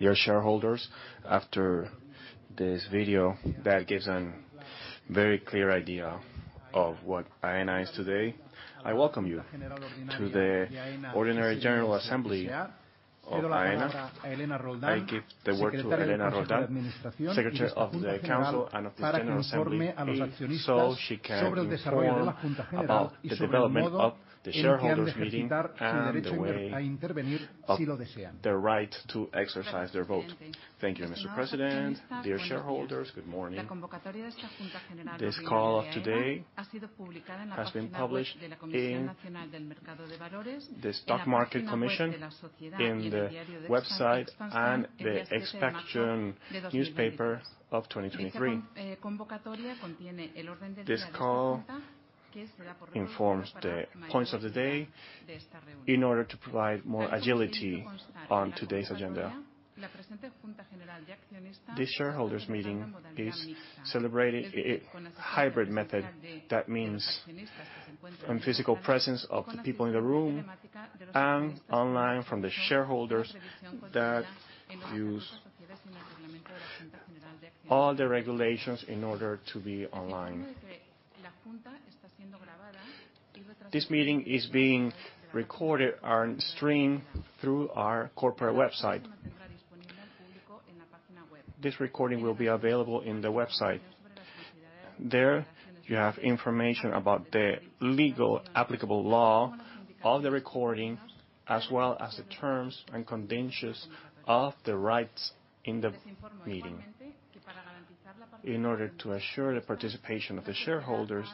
Dear shareholders, after this video that gives an very clear idea of what Aena is today, I welcome you to the ordinary general assembly of Aena. I give the word to Elena Roldán, Secretary of the Council and of this general assembly, so she can inform about the development of the shareholders meeting and the way of the right to exercise their vote. Thank you, Mr. President. Dear shareholders, good morning. This call today has been published in the Stock Market Commission, in the website, and the Expansión newspaper of 2023. This call informs the points of day in order to provide more agility on today's agenda. This shareholders meeting is celebrating hybrid method. That means in physical presence of the people in the room and online from the shareholders that use all the regulations in order to be online. This meeting is being recorded and streamed through our corporate website. This recording will be available in the website. There, you have information about the legal applicable law of the recording, as well as the terms and conditions of the rights in the meeting. In order to assure the participation of the shareholders,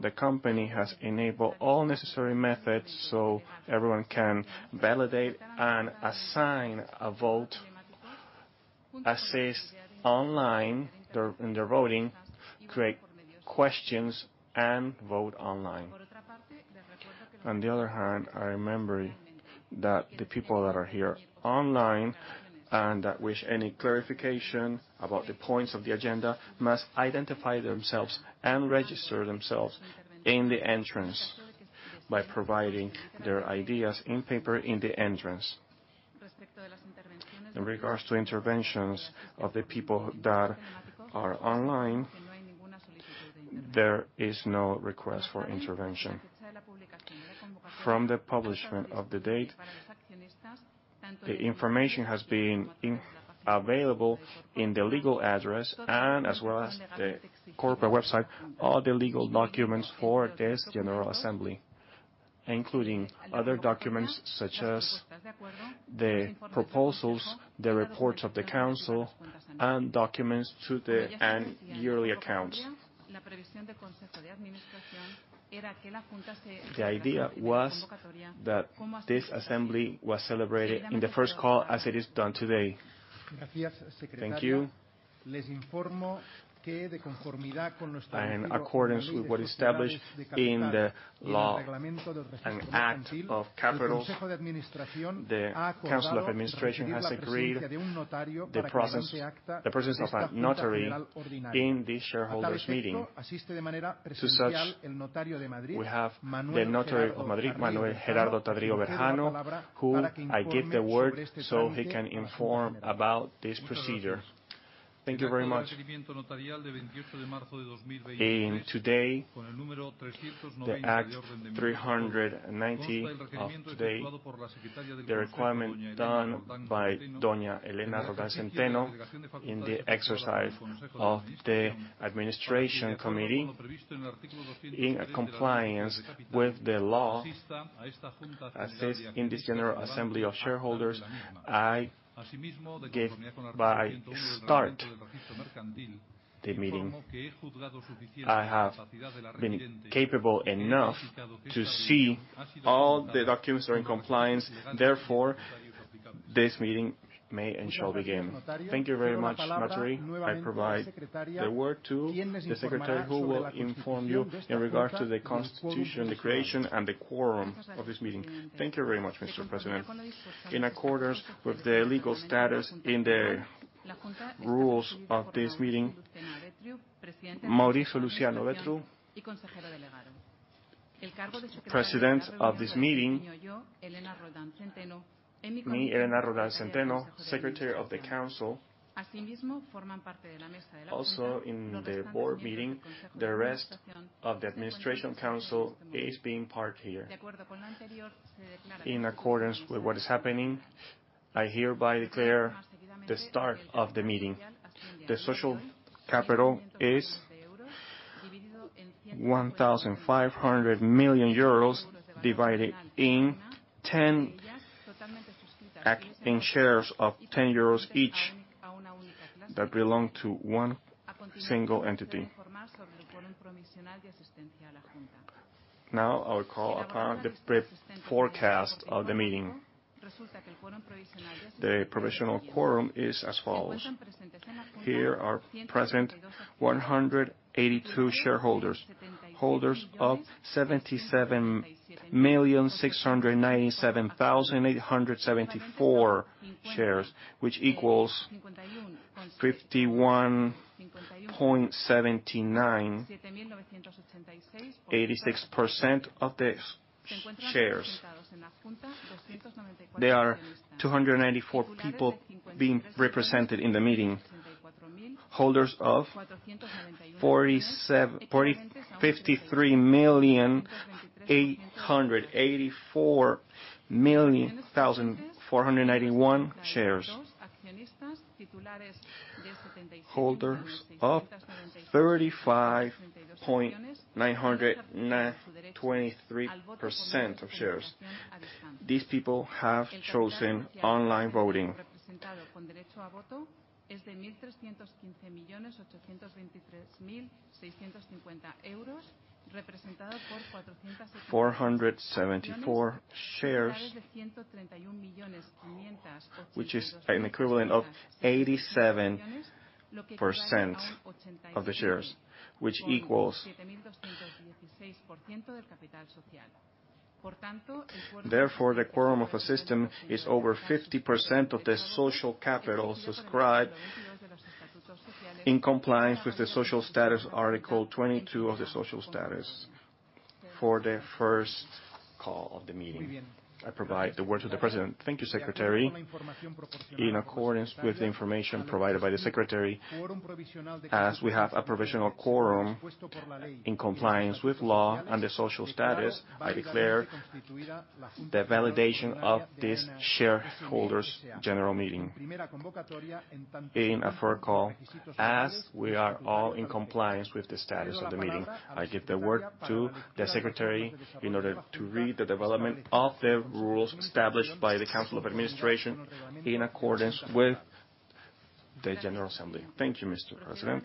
the company has enabled all necessary methods so everyone can validate and assign a vote, assist online in the voting, create questions, and vote online. On the other hand, I remember that the people that are here online and that wish any clarification about the points of the agenda must identify themselves and register themselves in the entrance by providing their ideas in paper in the entrance. In regards to interventions of the people that are online, there is no request for intervention. From the publishment of the date, the information has been in... available in the legal address and as well as the corporate website, all the legal documents for this General Assembly, including other documents such as the proposals, the reports of the Council, and documents to the and yearly accounts. The idea was that this Assembly was celebrated in the first call, as it is done today. Thank you. In accordance with what is established in the law and Act of Capitals, the Council of Administration has agreed the presence of a notary in this Shareholders Meeting. To such, we have the notary of Madrid, Manuel Gerardo Tarrio Berjano, who I give the word so he can inform about this procedure. Thank you very much. In today, the Act 390 of today, the requirement done by Doña Elena Roldán Centeno in the exercise of the Administration Committee, in compliance with the law, assists in this General Assembly of Shareholders, I give by start the meeting. I have been capable enough to see all the documents are in compliance. This meeting may and shall begin. Thank you very much, notary. I provide the word to the secretary who will inform you in regards to the constitution, the creation, and the quorum of this meeting. Thank you very much, Mr. President. In accordance with the legal status in the rules of this meeting, Maurici Lucena Betriu, President of this meeting, me, Elena Roldán Centeno, Secretary of the Council. Also, in the Board meeting, the rest of the administration council is being part here. In accordance with what is happening, I hereby declare the start of the meeting. The social capital is EUR 1,500 million, divided in shares of 10 euros each that belong to 1 single entity. Now, I will call upon the pre-forecast of the meeting. The provisional quorum is as follows. Here are present 182 shareholders, holders of 77,697,874 shares, which equals 51.7986% of the s-shares. There are 294 people being represented in the meeting. Holders of 53,884,491 shares. Holders of 35.9nin-23% of shares. These people have chosen online voting. 474 shares, which is an equivalent of 87% of the shares, which equals... The quorum of a system is over 50% of the social capital subscribed in compliance with the social status article 22 of the social status. For the first call of the meeting, I provide the word to the president. Thank you, Secretary. In accordance with the information provided by the secretary, as we have a provisional quorum in compliance with law and the social status, I declare the validation of this Shareholders' General Meeting in a first call, as we are all in compliance with the status of the meeting. I give the word to the secretary in order to read the development of the rules established by the Council of Administration in accordance with the General Assembly. Thank you, Mr. President.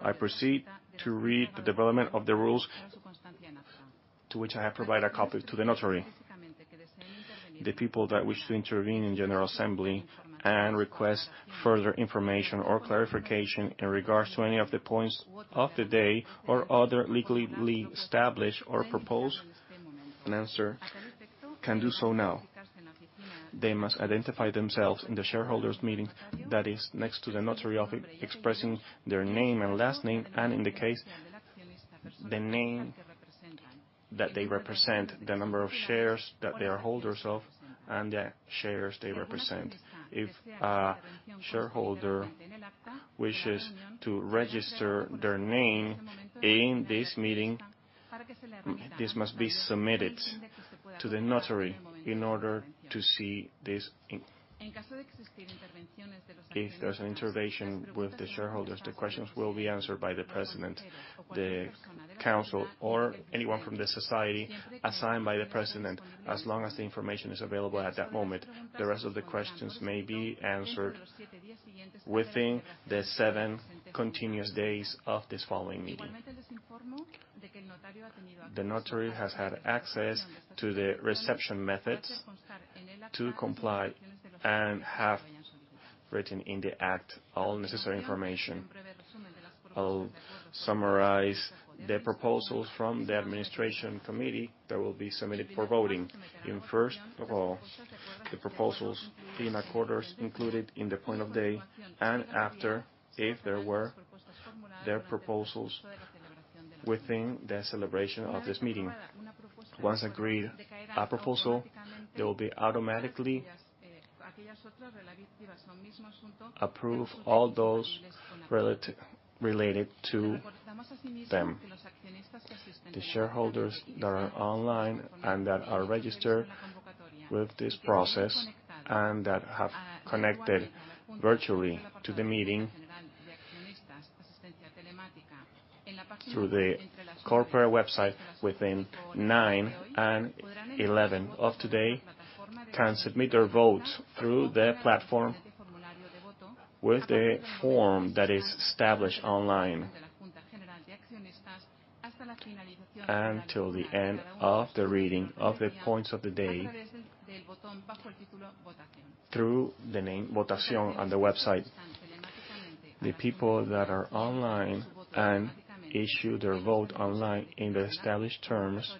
I proceed to read the development of the rules to which I have provided a copy to the notary. The people that wish to intervene in General Assembly and request further information or clarification in regards to any of the points of the day or other legally established or proposed and answer can do so now. They must identify themselves in the shareholders meeting that is next to the notary office, expressing their name and last name, and in the case, the name that they represent, the number of shares that they are holders of, and the shares they represent. If a shareholder wishes to register their name in this meeting, this must be submitted to the notary in order to see this in... If there's an intervention with the shareholders, the questions will be answered by the president, the council, or anyone from the society assigned by the president, as long as the information is available at that moment. The rest of the questions may be answered within the seven continuous days of this following meeting. The notary has had access to the reception methods to comply and have written in the act all necessary information. I'll summarize the proposals from the administration committee that will be submitted for voting. First of all, the proposals in accordance included in the point of the day and after, if there were, their proposals within the celebration of this meeting. Once agreed a proposal, there will be automatically approve all those related to them. The shareholders that are online and that are registered with this process and that have connected virtually to the meeting through the corporate website within 9 and 11 of today can submit their vote through the platform with the form that is established online until the end of the reading of the points of the day through the name votacion on the website. The people that are online and issue their vote online in the established terms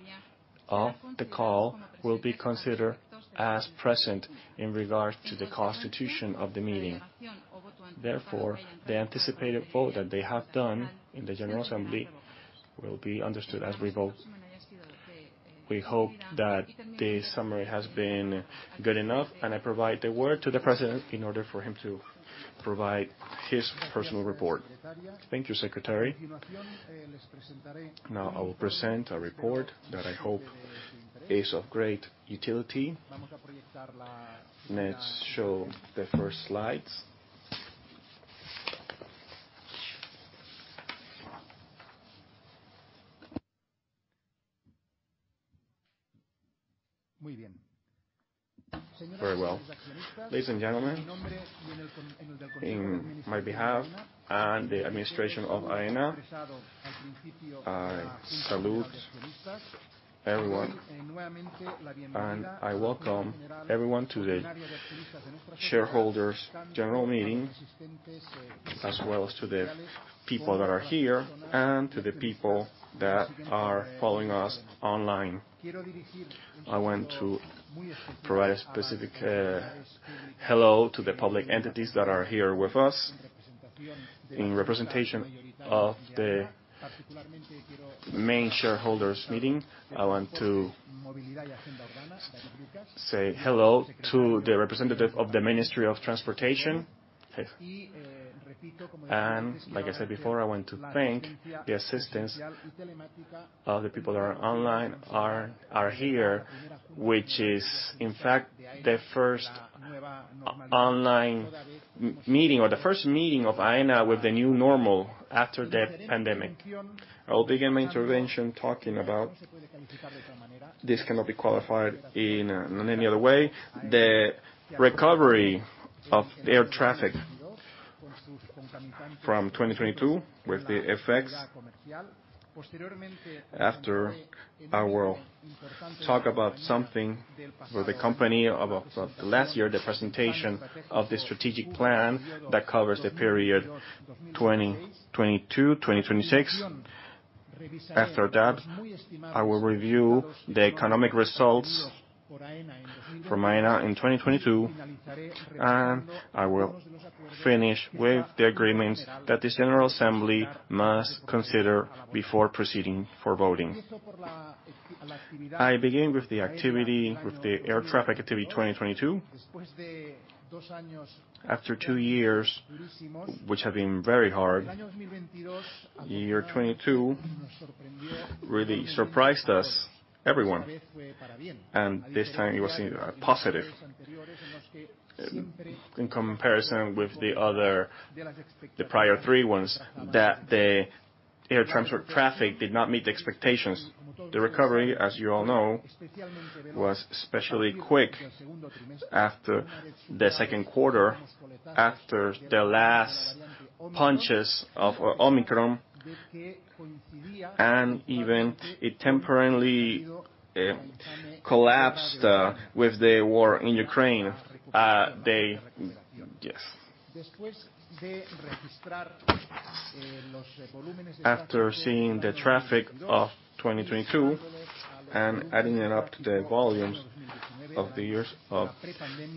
of the call will be considered as present in regards to the constitution of the meeting. The anticipated vote that they have done in the General Assembly will be understood as revoted. We hope that the summary has been good enough, I provide the word to the President in order for him to provide his personal report. Thank you, Secretary. I will present a report that I hope is of great utility. Let's show the first slides. Very well. Ladies and gentlemen, in my behalf and the administration of Aena, I salute everyone, I welcome everyone to the Shareholders General Meeting, as well as to the people that are here and to the people that are following us online. I want to provide a specific hello to the public entities that are here with us. In representation of the main Shareholders Meeting, I want to say hello to the representative of the Ministry of Transportation. Like I said before, I want to thank the assistance of the people that are online are here, which is in fact the first online meeting or the first meeting of Aena with the new normal after the pandemic. I'll begin my intervention talking about this cannot be qualified in any other way, the recovery of air traffic from 2022 with the effects. I will talk about something for the company about last year, the presentation of the strategic plan that covers the period 2022, 2026. I will review the economic results for Aena in 2022, I will finish with the agreements that this general assembly must consider before proceeding for voting. I begin with the activity, with the air traffic activity, 2022. After 2 years, which have been very hard, year 22 really surprised us, everyone, and this time it was positive. In comparison with the other, the prior 3 ones that the air transport traffic did not meet the expectations. The recovery, as you all know, was especially quick after the second quarter, after the last punches of Omicron and even it temporarily collapsed with the war in Ukraine. Yes. After seeing the traffic of 2022 and adding it up to the volumes of the years of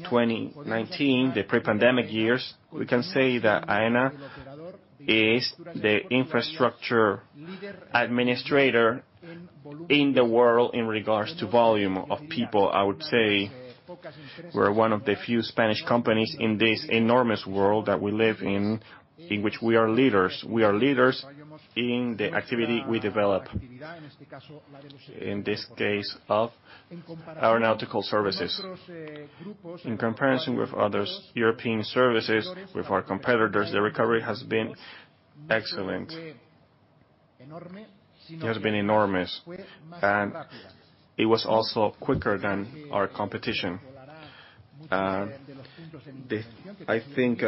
2019, the pre-pandemic years, we can say that Aena is the infrastructure administrator in the world in regards to volume of people. I would say we're one of the few Spanish companies in this enormous world that we live in which we are leaders. We are leaders in the activity we develop, in this case, of our aeronautical services. In comparison with other European services, with our competitors, the recovery has been excellent. It has been enormous, and it was also quicker than our competition. I think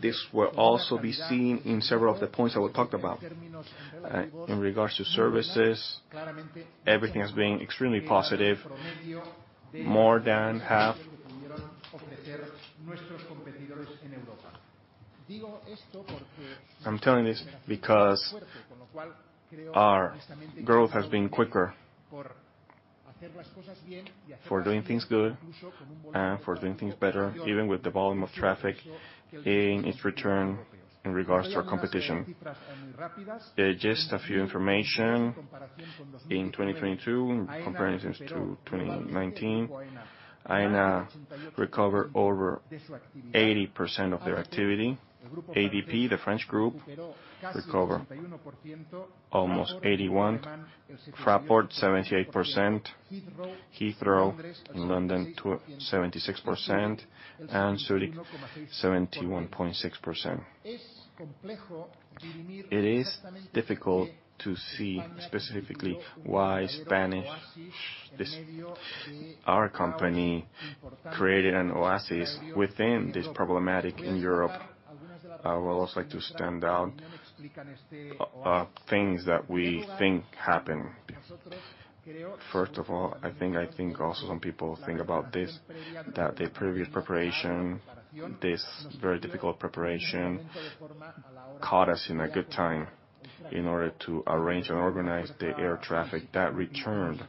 this will also be seen in several of the points that we talked about. In regards to services, everything has been extremely positive, more than half. I'm telling this because our growth has been quicker for doing things good and for doing things better, even with the volume of traffic in its return in regards to our competition. Just a few information. In 2022, in comparison to 2019, Aena recovered over 80% of their activity. ADP, the French group, recovered almost 81%. Fraport, 78%. Heathrow, in London, 76%, and Zurich, 71.6%. It is difficult to see specifically why Spanish, our company created an oasis within this problematic in Europe. I would also like to stand out, things that we think happened. First of all, I think also some people think about this, that the previous preparation, this very difficult preparation caught us in a good time in order to arrange and organize the air traffic that returned.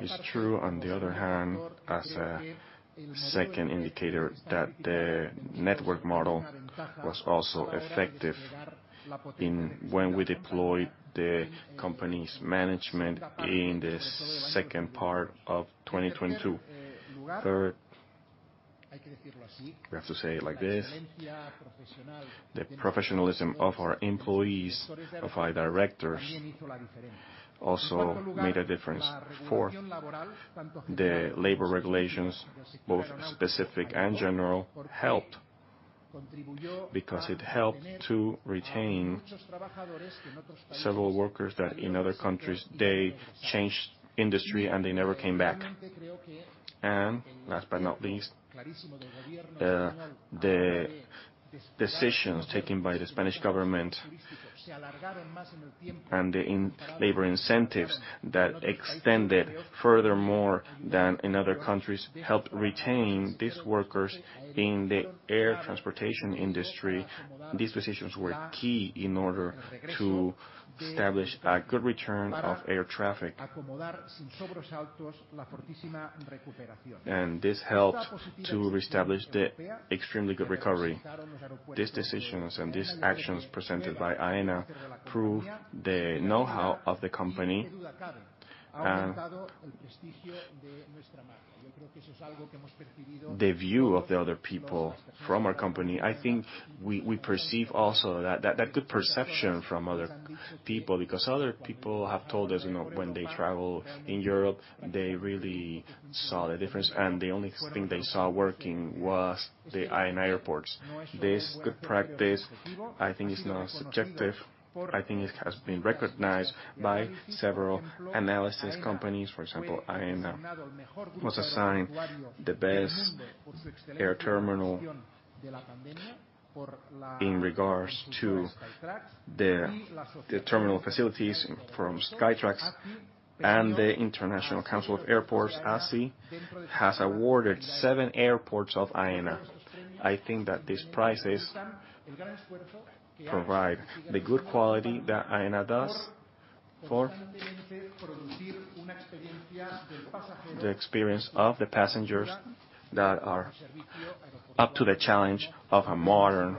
It's true, on the other hand, as a second indicator, that the network model was also effective in when we deployed the company's management in the second part of 2022. Third, we have to say it like this, the professionalism of our employees, of our directors also made a difference. Fourth, the labor regulations, both specific and general, helped because it helped to retain several workers that in other countries, they changed industry, and they never came back. Last but not least, the decisions taken by the Spanish government and the labor incentives that extended furthermore than in other countries helped retain these workers in the air transportation industry. These decisions were key in order to establish a good return of air traffic. This helped to reestablish the extremely good recovery. These decisions and these actions presented by Aena prove the know-how of the company. The view of the other people from our company, I think we perceive also that good perception from other people, because other people have told us, you know, when they travel in Europe, they really saw the difference, and the only thing they saw working was the Aena airports. This good practice, I think, is not subjective. I think it has been recognized by several analysis companies. For example, Aena was assigned the best air terminal in regards to the terminal facilities from Skytrax and Airports Council International, ACI, has awarded seven airports of Aena. I think that these prices provide the good quality that Aena does for the experience of the passengers that are up to the challenge of a modern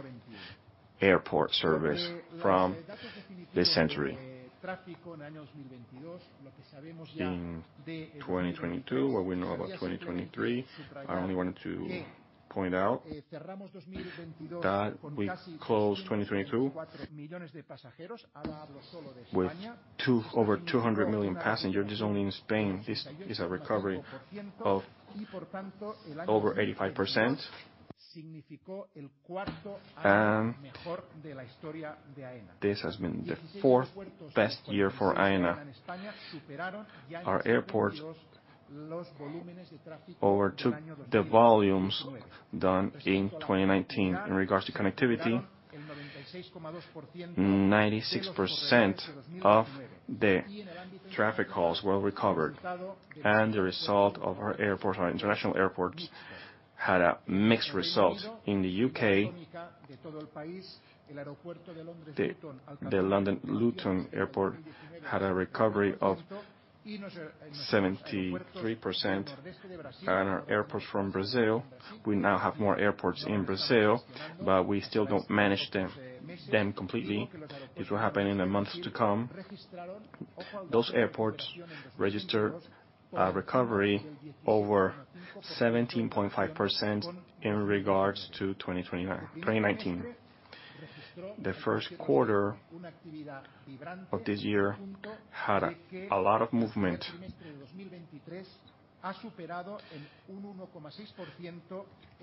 airport service from this century. In 2022, what we know about 2023, I only wanted to point out that we closed 2022 with over 200 million passengers only in Spain. This is a recovery of over 85%. This has been the fourth-best year for Aena. Our airport overtook the volumes done in 2019. In regards to connectivity, 96% of the traffic halls were recovered, and the result of our airport, our international airports, had a mixed result. In the U.K., the London Luton Airport had a recovery of 73%. Our airports from Brazil, we now have more airports in Brazil, but we still don't manage them completely, which will happen in the months to come. Those airports registered a recovery over 17.5% in regards to 2019. The first quarter of this year had a lot of movement.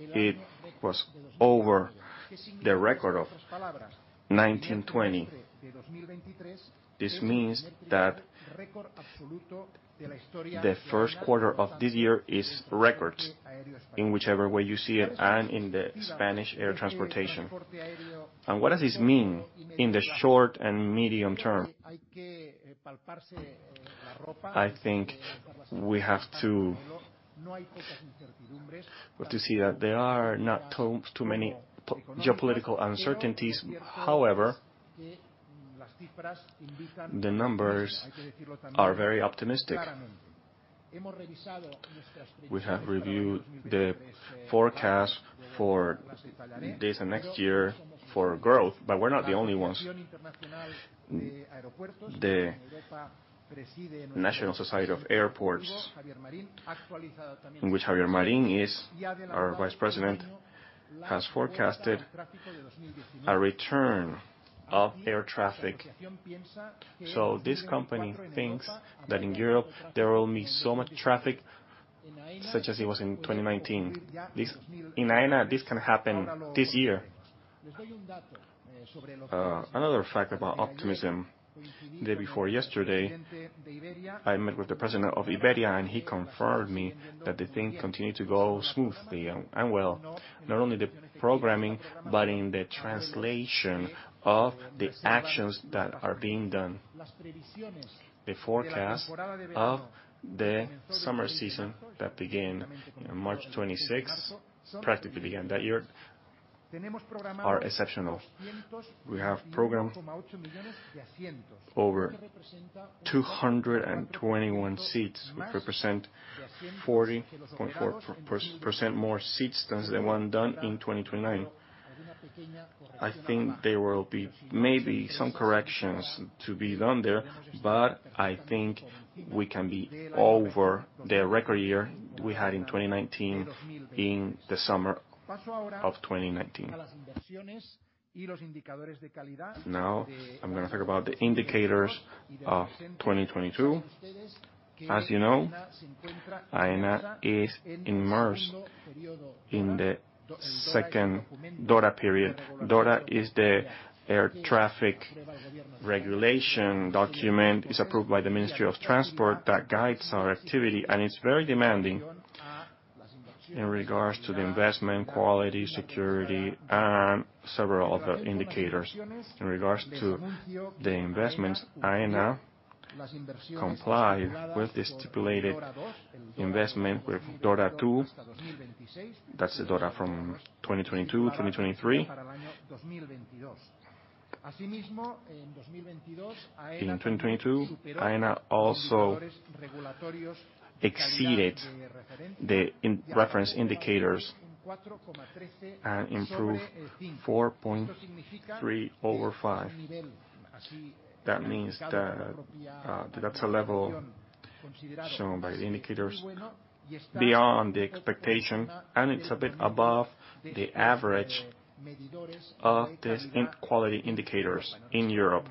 It was over the record of 1920. This means that the first quarter of this year is record in whichever way you see it and in the Spanish air transportation. What does this mean in the short and medium term? I think we have to see that there are not too many geopolitical uncertainties. However, the numbers are very optimistic. We have reviewed the forecast for this and next year for growth, we're not the only ones. The National Society of Airports, in which Javier Marín is our Vice President, has forecasted a return of air traffic. This company thinks that in Europe, there will be so much traffic such as it was in 2019. In Aena, this can happen this year. Another fact about optimism, the day before yesterday, I met with the president of Iberia, and he confirmed me that the thing continued to go smoothly and well, not only the programming, but in the translation of the actions that are being done. The forecast of the summer season that began in March 26th, practically began that year, are exceptional. We have programmed over 221 seats, which represent 40.4% more seats than the one done in 2029. I think there will be maybe some corrections to be done there, but I think we can be over the record year we had in 2019 in the summer of 2019. I'm gonna talk about the indicators of 2022. As you know, Aena is immersed in the second DORA period. DORA is the air traffic regulation document, it's approved by the Ministry of Transport, that guides our activity, and it's very demanding in regards to the investment, quality, security, and several other indicators. In regards to the investments, Aena comply with the stipulated investment with DORA two. That's the DORA from 2022, 2023. In 2022, Aena also exceeded the reference indicators 4.3 over 5. That means that that's a level shown by the indicators beyond the expectation, and it's a bit above the average of these in-quality indicators in Europe,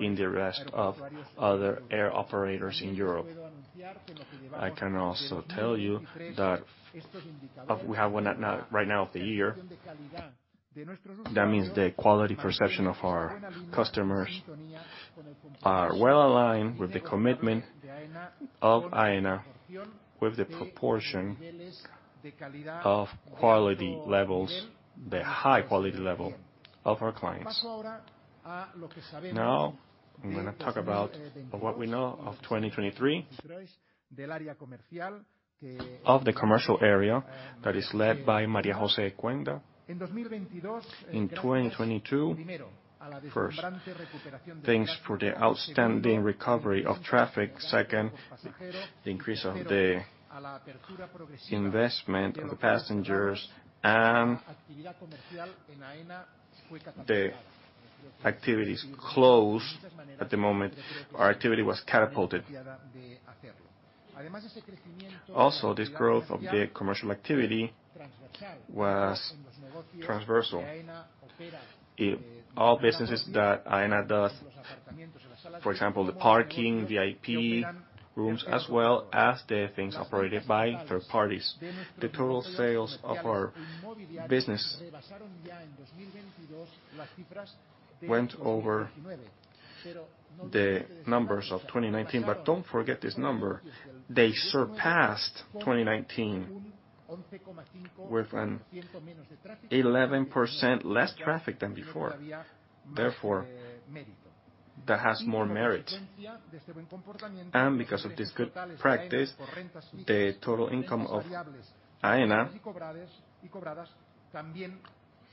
in the rest of other air operators in Europe. I can also tell you that right now of the year. That means the quality perception of our customers are well-aligned with the commitment of Aena with the proportion of quality levels, the high-quality level of our clients. Now, I'm gonna talk about of what we know of 2023, of the commercial area that is led by María José Cuenda. In 2022, first, thanks for the outstanding recovery of traffic. Second, the increase of the investment of the passengers and the activities closed at the moment, our activity was catapulted. Also, this growth of the commercial activity was transversal. All businesses that Aena does, for example, the parking, the IP rooms, as well as the things operated by third parties. The total sales of our business went over the numbers of 2019, don't forget this number. They surpassed 2019 with 11% less traffic than before. That has more merits. Because of this good practice, the total income of Aena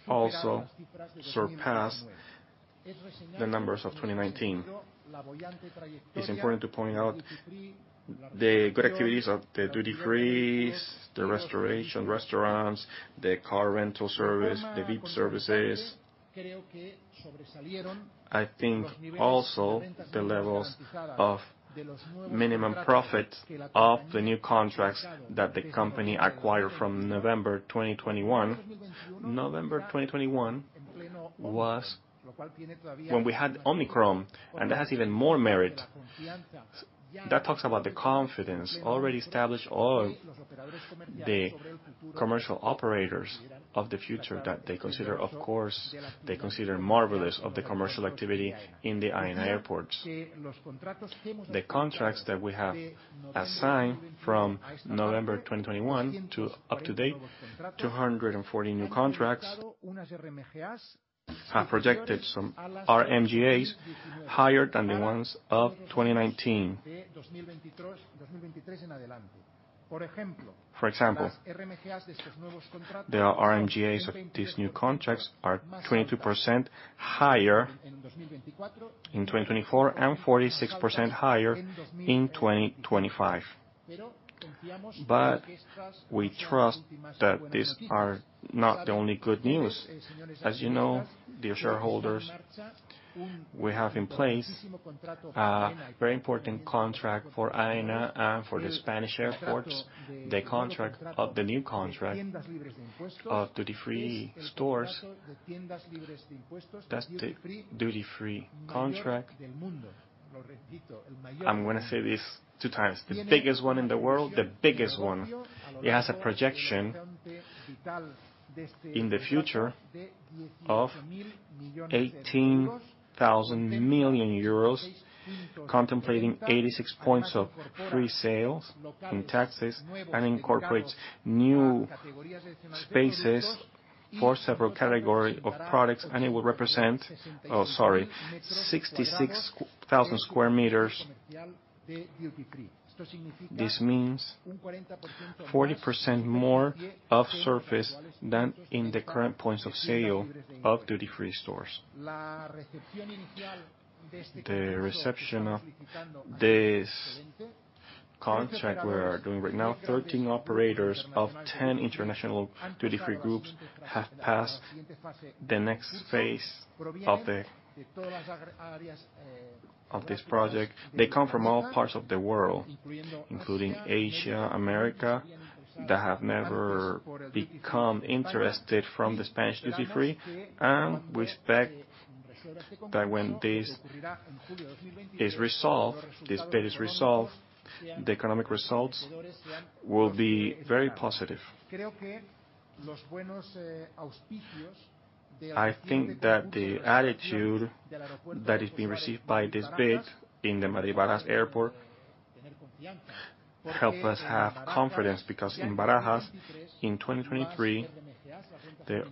also surpassed the numbers of 2019. It's important to point out the good activities of the duty-frees, the restoration restaurants, the car rental service, the VIP services. I think also the levels of minimum profit of the new contracts that the company acquired from November 2021. November 2021 was when we had Omicron, that has even more merit. That talks about the confidence already established all the commercial operators of the future that they consider, of course, they consider marvelous of the commercial activity in the Aena airports. The contracts that we have assigned from November 2021 to up to date, 240 new contracts have projected some RMGAs higher than the ones of 2019. For example, the RMGAs of these new contracts are 22% higher in 2024 and 46% higher in 2025. We trust that these are not the only good news. As you know, dear shareholders, we have in place a very important contract for Aena and for the Spanish airports, the contract of the new contract of duty-free stores. That's the duty-free contract. I'm gonna say this two times. The biggest one in the world. It has a projection in the future of 18 billion euros, contemplating 86 points of free sales in taxes and incorporates new spaces for several categories of products, and it will represent, Oh, sorry, 66,000 sq m. This means 40% more of surface than in the current points of sale of duty-free stores. The reception of this contract we are doing right now, 13 operators of 10 international duty-free groups have passed the next phase of this project. They come from all parts of the world, including Asia, America, that have never become interested in the Spanish duty-free. We expect that when this bid is resolved, the economic results will be very positive. I think that the attitude that is being received by this bid in the Madrid-Barajas Airport help us have confidence because in Barajas in 2023, the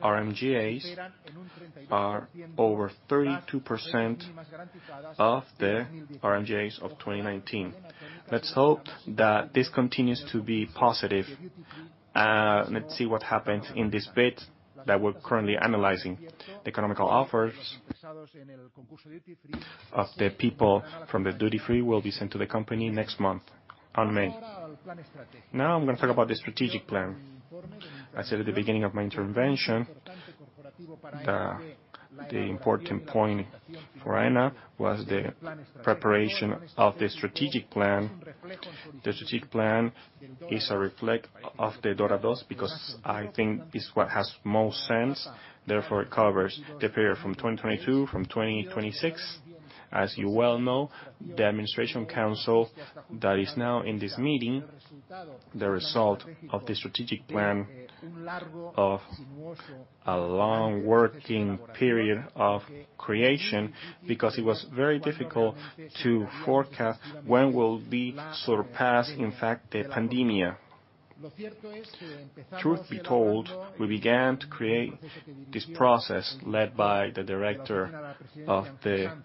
RMGAs are over 32% of the RMGAs of 2019. Let's hope that this continues to be positive, let's see what happens in this bid that we're currently analyzing. The economical offers of the people from the duty-free will be sent to the company next month on May. I'm gonna talk about the strategic plan. I said at the beginning of my intervention, the important point for Aena was the preparation of the strategic plan. The strategic plan is a reflect of the DORA II, because I think it's what has most sense. It covers the period from 2022 from 2026. As you well know, the Board of Directors that is now in this meeting, the result of the strategic plan of a long working period of creation, because it was very difficult to forecast when will be surpassed, in fact, the pandemic. Truth be told, we began to create this process led by the Director of the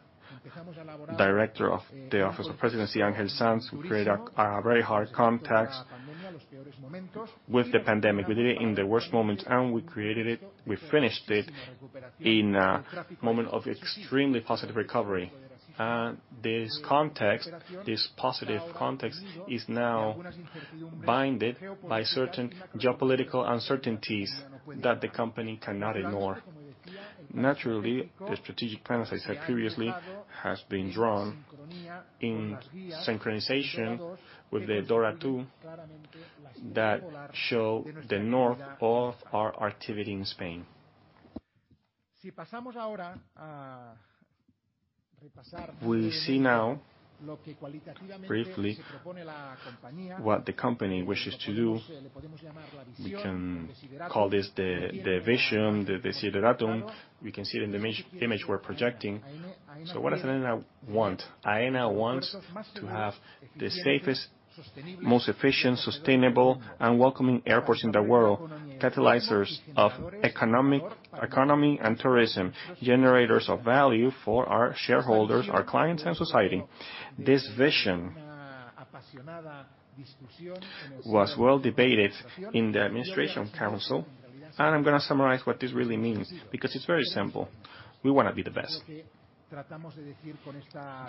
Office of Presidency, Ángel Sanz, who created a very hard context with the pandemic. We did it in the worst moments, we finished it in a moment of extremely positive recovery. This context, this positive context, is now bound by certain geopolitical uncertainties that the company cannot ignore. Naturally, the strategic plan, as I said previously, has been drawn in synchronization with the DORA II that show the north of our activity in Spain. We see now, briefly, what the company wishes to do. We can call this the vision, the desideratum. We can see it in the image we're projecting. What does Aena want? Aena wants to have the safest, most efficient, sustainable, and welcoming airports in the world, catalyzers of economy and tourism, generators of value for our shareholders, our clients, and society. This vision was well debated in the administration council, I'm gonna summarize what this really means because it's very simple. We wanna be the best.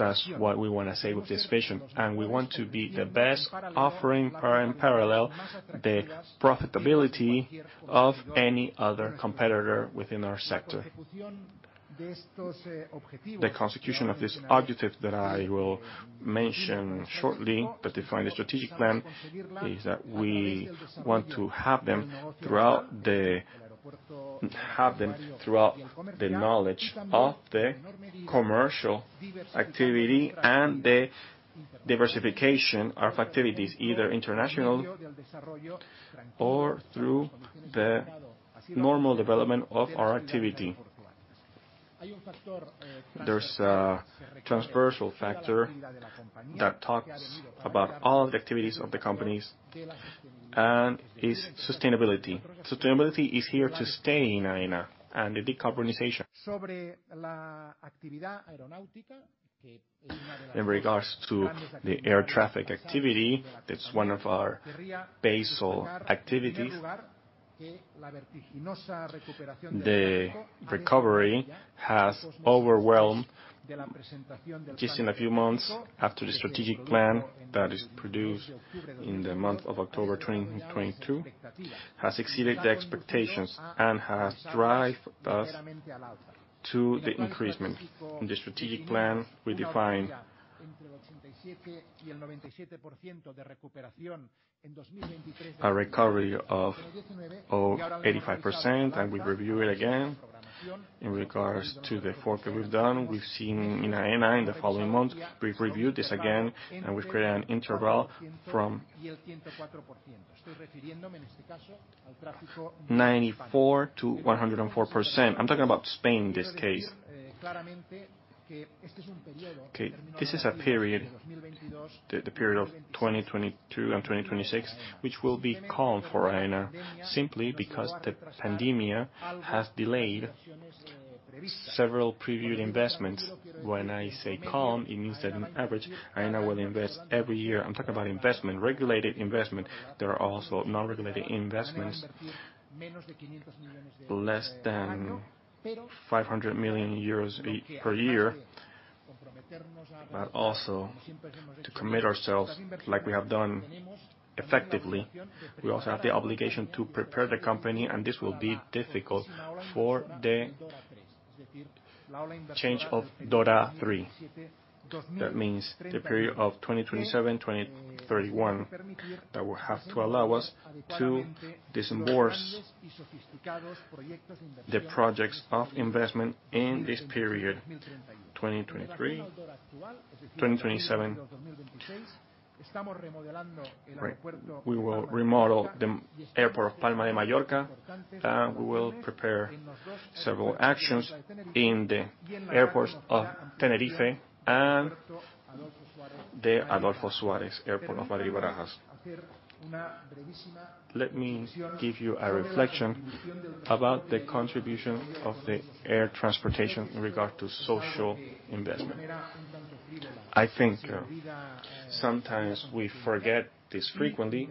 That's what we wanna say with this vision, We want to be the best, offering parallel, the profitability of any other competitor within our sector. The constitution of this objective that I will mention shortly, that define the strategic plan, is that we want to have them throughout the knowledge of the commercial activity and the diversification of activities, either international or through the normal development of our activity. There's a transversal factor that talks about all the activities of the companies. It's sustainability. Sustainability is here to stay in Aena and the decarbonization. In regards to the air traffic activity, it's one of our basal activities. The recovery has overwhelmed just in a few months after the strategic plan that is produced in the month of October 2022, has exceeded the expectations and has drive thus to the increasement. In the strategic plan, we define a recovery of 85%. We review it again. In regards to the work that we've done, we've seen in Aena in the following months, we've reviewed this again, we've created an interval from 94%-104%. I'm talking about Spain in this case. Okay. This is a period, the period of 2022 and 2026, which will be calm for Aena simply because the pandemic has delayed several previewed investments. When I say calm, it means that on average, Aena will invest every year. I'm talking about investment, regulated investment. There are also non-regulated investments. Less than 500 million euros per year, also to commit ourselves like we have done effectively. We also have the obligation to prepare the company, this will be difficult for the change of DORA III. That means the period of 2027, 2031, that will have to allow us to disburse the projects of investment in this period, 2023, 2027. We will remodel the airport of Palma de Mallorca, and we will prepare several actions in the airports of Tenerife and the Adolfo Suárez, airport of Madrid Barajas. Let me give you a reflection about the contribution of the air transportation in regard to social investment. I think sometimes we forget this frequently.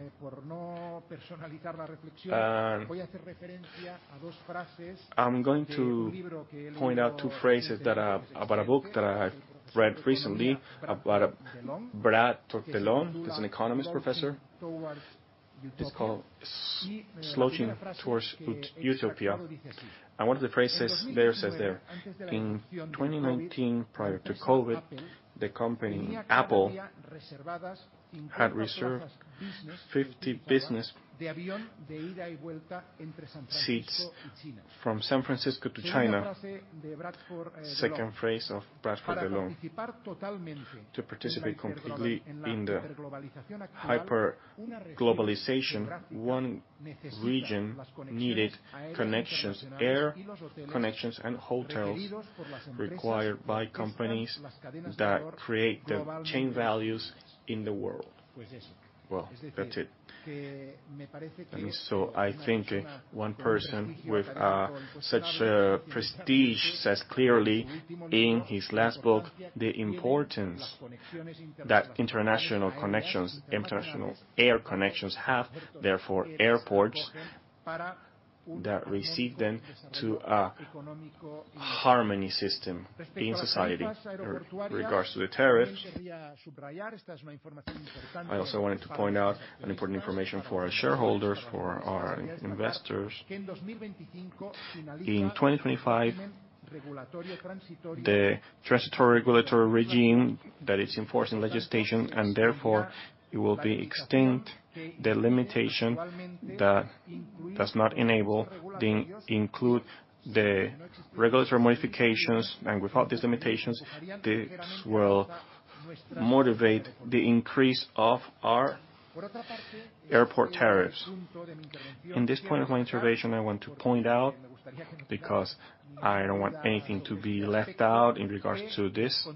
I'm going to point out two phrases that about a book that I read recently about Brad DeLong, he's an economist professor. It's called Slouching Towards Utopia. One of the phrases there says there, "In 2019, prior to COVID, the company Apple had reserved 50 business seats from San Francisco to China." Second phrase of J. Bradford DeLong, "To participate completely in the hyper-globalization, one region needed connections, air connections, and hotels required by companies that create the chain values in the world." Well, that's it. I think one person with such a prestige says clearly in his last book, the importance that international connections, international air connections have, therefore, airports that receive them to a harmony system in society. In regards to the tariffs, I also wanted to point out an important information for our shareholders, for our investors. In 2025, the transitory regulatory regime that is enforced in legislation, and therefore it will be extinct, the limitation that does not enable the... Include the regulatory modifications, without these limitations, this will motivate the increase of our airport tariffs. In this point of my intervention, I want to point out, because I don't want anything to be left out in regards to this,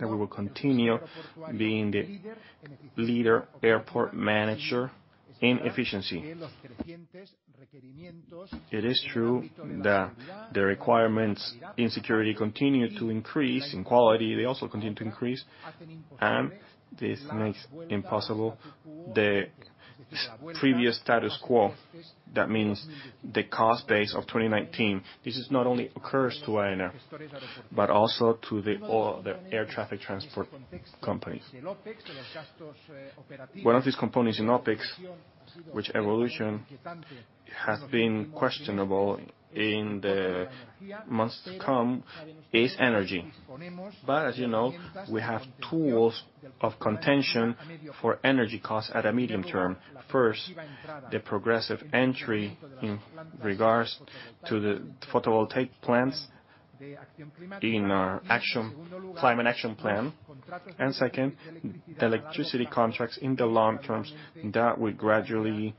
that we will continue being the leader airport manager in efficiency. It is true that the requirements in security continue to increase, in quality, they also continue to increase, this makes impossible the previous status quo. That means the cost base of 2019. This is not only occurs to Aena, but also to the air traffic transport companies. One of these components in OpEx, which evolution has been questionable in the months to come is energy. As you know, we have tools of contention for energy costs at a medium term. First, the progressive entry in regards to the photovoltaic plants in our Climate Action Plan. Second, the electricity contracts in the long terms that we gradually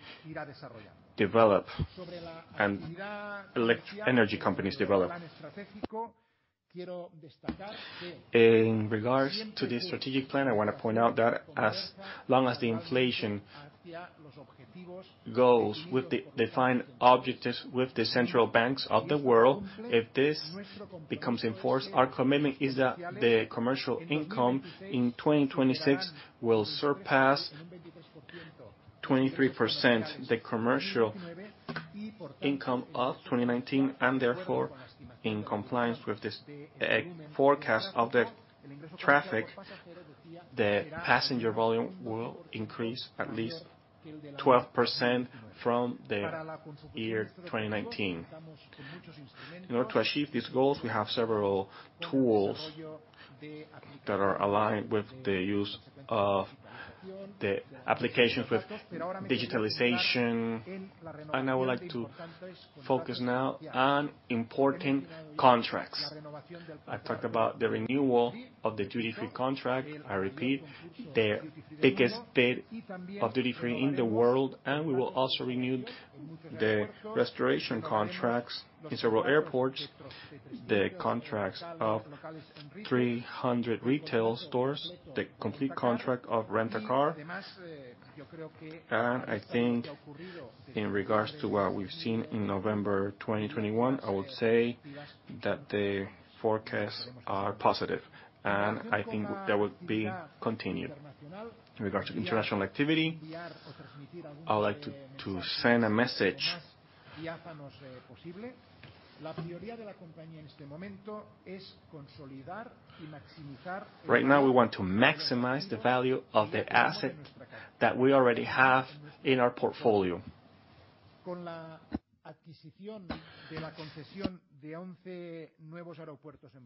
develop and energy companies develop. In regards to the strategic plan, I wanna point out that as long as the inflation goes with the defined objectives with the central banks of the world, if this becomes in force, our commitment is that the commercial income in 2026 will surpass 23% the commercial income of 2019. Therefore, in compliance with this forecast of the traffic, the passenger volume will increase at least 12% from the year 2019. In order to achieve these goals, we have several tools that are aligned with the use of the applications with digitalization. I would like to focus now on important contracts. I've talked about the renewal of the duty-free contract. I repeat, the biggest bid of duty-free in the world. We will also renew the restoration contracts in several airports, the contracts of 300 retail stores, the complete contract of rent-a-car. I think in regards to what we've seen in November 2021, I would say that the forecasts are positive, and I think that would be continued. In regards to international activity, I like to send a message. Right now, we want to maximize the value of the asset that we already have in our portfolio.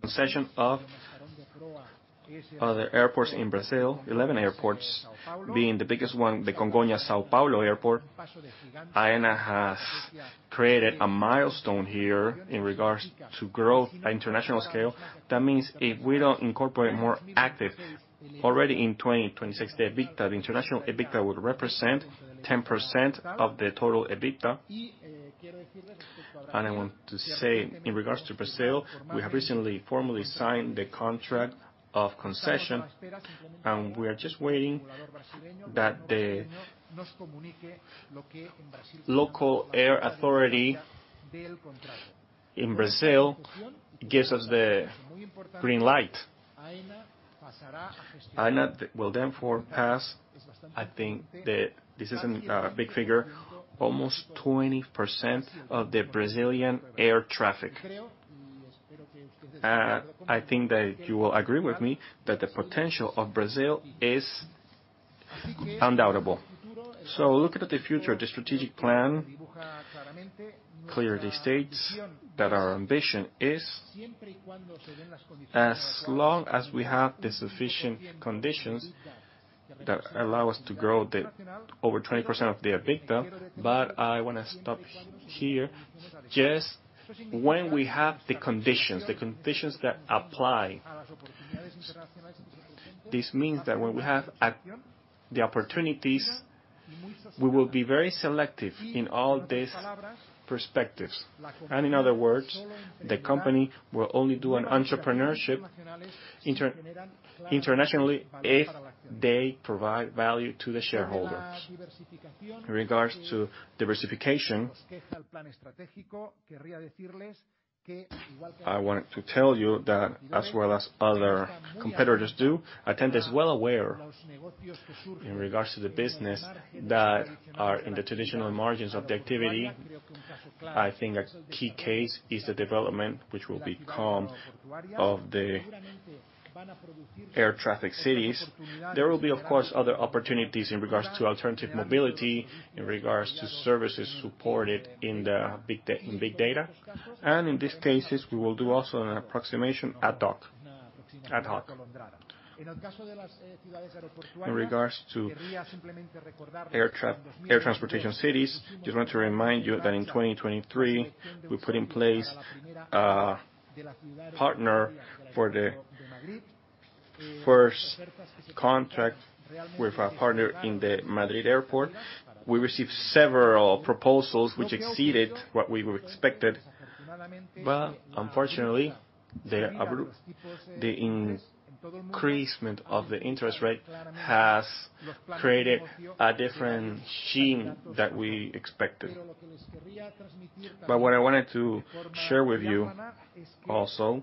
Concession of other airports in Brazil, 11 airports, being the biggest one, the Congonhas São Paulo Airport. Aena has created a milestone here in regards to growth at international scale. That means if we don't incorporate more active already in 2026, the EBITDA, the international EBITDA, would represent 10% of the total EBITDA. I want to say, in regards to Brazil, we have recently formally signed the contract of concession, and we are just waiting that the local air authority in Brazil gives us the green light. Aena will therefore pass, I think this isn't a big figure, almost 20% of the Brazilian air traffic. I think that you will agree with me that the potential of Brazil is undoubtable. Looking at the future, the strategic plan clearly states that our ambition is, as long as we have the sufficient conditions that allow us to grow the over 20% of the EBITDA, but I wanna stop here. Just when we have the conditions that apply, this means that when we have the opportunities, we will be very selective in all these perspectives. In other words, the company will only do an entrepreneurship inter-internationally if they provide value to the shareholders. In regards to diversification, I wanted to tell you that as well as other competitors do, Aena is well aware in regards to the business that are in the traditional margins of the activity. I think a key case is the development which will become of the air traffic cities. There will be, of course, other opportunities in regards to alternative mobility, in regards to services supported in big data, and in these cases, we will do also an approximation ad hoc, ad hoc. In regards to air transportation cities, just want to remind you that in 2023, we put in place a partner for the first contract with our partner in the Madrid airport. We received several proposals which exceeded what we were expected. Unfortunately, the increasement of the interest rate has created a different sheen than we expected. What I wanted to share with you also,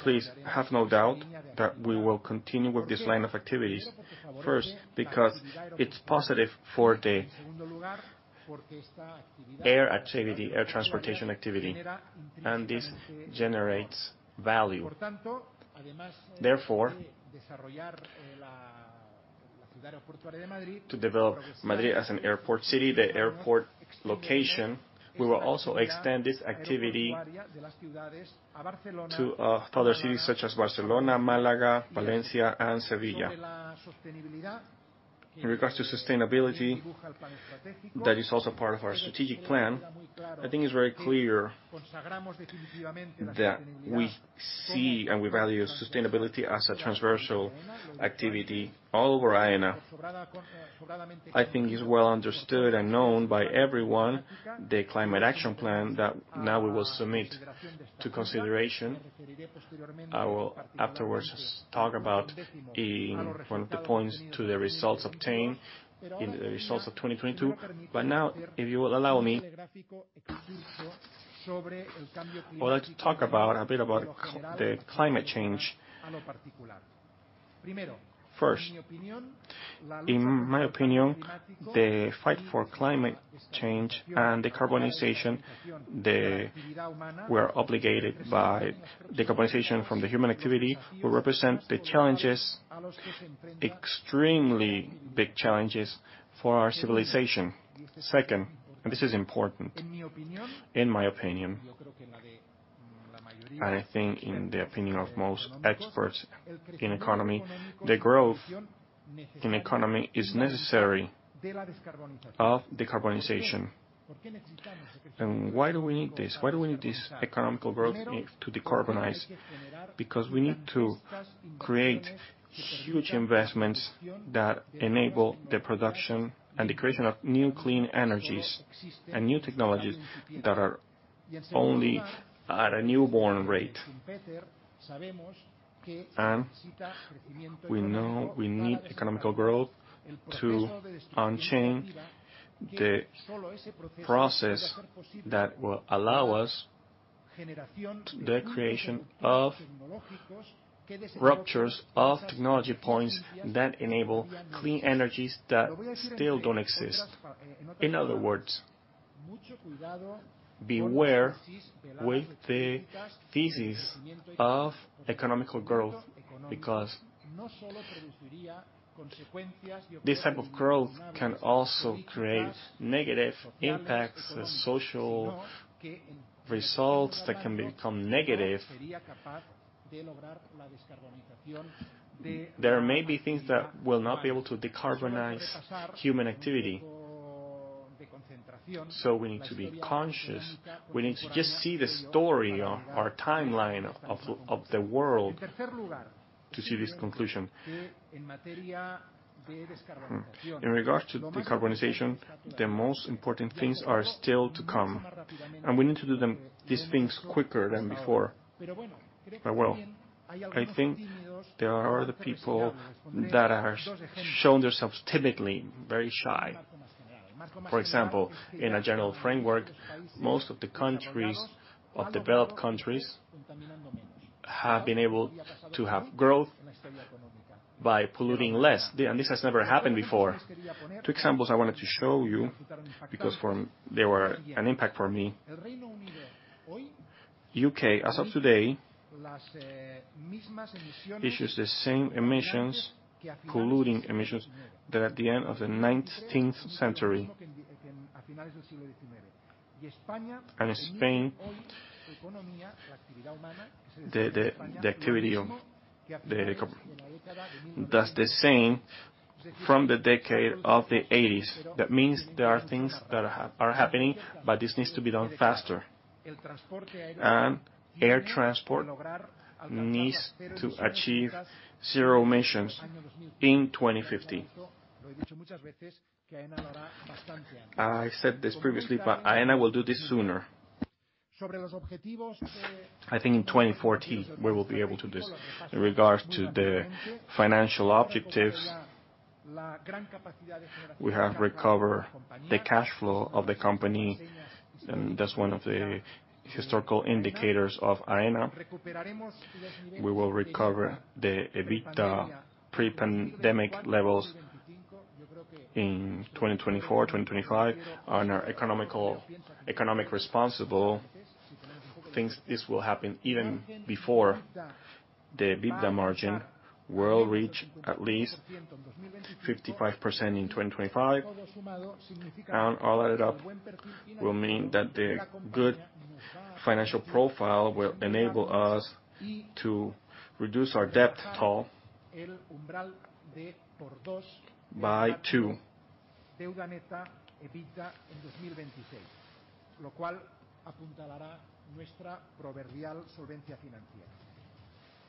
please have no doubt that we will continue with this line of activities. First, because it's positive for the air activity, air transportation activity, and this generates value. Therefore, to develop Madrid as an airport city, the airport location, we will also extend this activity to other cities such as Barcelona, Málaga, Valencia, and Sevilla. In regards to sustainability, that is also part of our strategic plan. I think it's very clear that we see and we value sustainability as a transversal activity all over Aena. I think it's well understood and known by everyone, the Climate Action Plan, that now we will submit to consideration. I will afterwards talk about one of the points to the results obtained in the results of 2022. Now, if you will allow me, I would like to talk about, a bit about the climate change. First, in my opinion, the fight for climate change and decarbonization, We're obligated by decarbonization from the human activity will represent the challenges, extremely big challenges for our civilization. Second, this is important, in my opinion, and I think in the opinion of most experts in economy, the growth in economy is necessary of decarbonization. Why do we need this? Why do we need this economical growth to decarbonize? We need to create huge investments that enable the production and the creation of new clean energies and new technologies that are only at a newborn rate. We know we need economic growth to unchain the process that will allow us the creation of ruptures of technology points that enable clean energies that still don't exist. In other words, beware with the thesis of economic growth because this type of growth can also create negative impacts, social results that can become negative. There may be things that will not be able to decarbonize human activity, so we need to be conscious. We need to just see the story of our timeline of the world to see this conclusion. In regards to decarbonization, the most important things are still to come, and we need to do them, these things, quicker than before. Well, I think there are other people that are shown themselves typically very shy. For example, in a general framework, most of the countries, of developed countries, have been able to have growth by polluting less. This has never happened before. Two examples I wanted to show you, because they were an impact for me. U.K., as of today, issues the same emissions, polluting emissions, that at the end of the 19th century. In Spain, the activity that's the same from the decade of the 1980s. That means there are things that are happening, but this needs to be done faster. Air transport needs to achieve zero emissions in 2050. I said this previously, but Aena will do this sooner. I think in 2014 we will be able to do this. In regards to the financial objectives, we have recovered the cash flow of the company, and that's one of the historical indicators of Aena. We will recover the EBITDA pre-pandemic levels in 2024, 2025. Our economic responsible thinks this will happen even before. The EBITDA margin will reach at least 55% in 2025. All added up will mean that the good financial profile will enable us to reduce our debt tall by 2.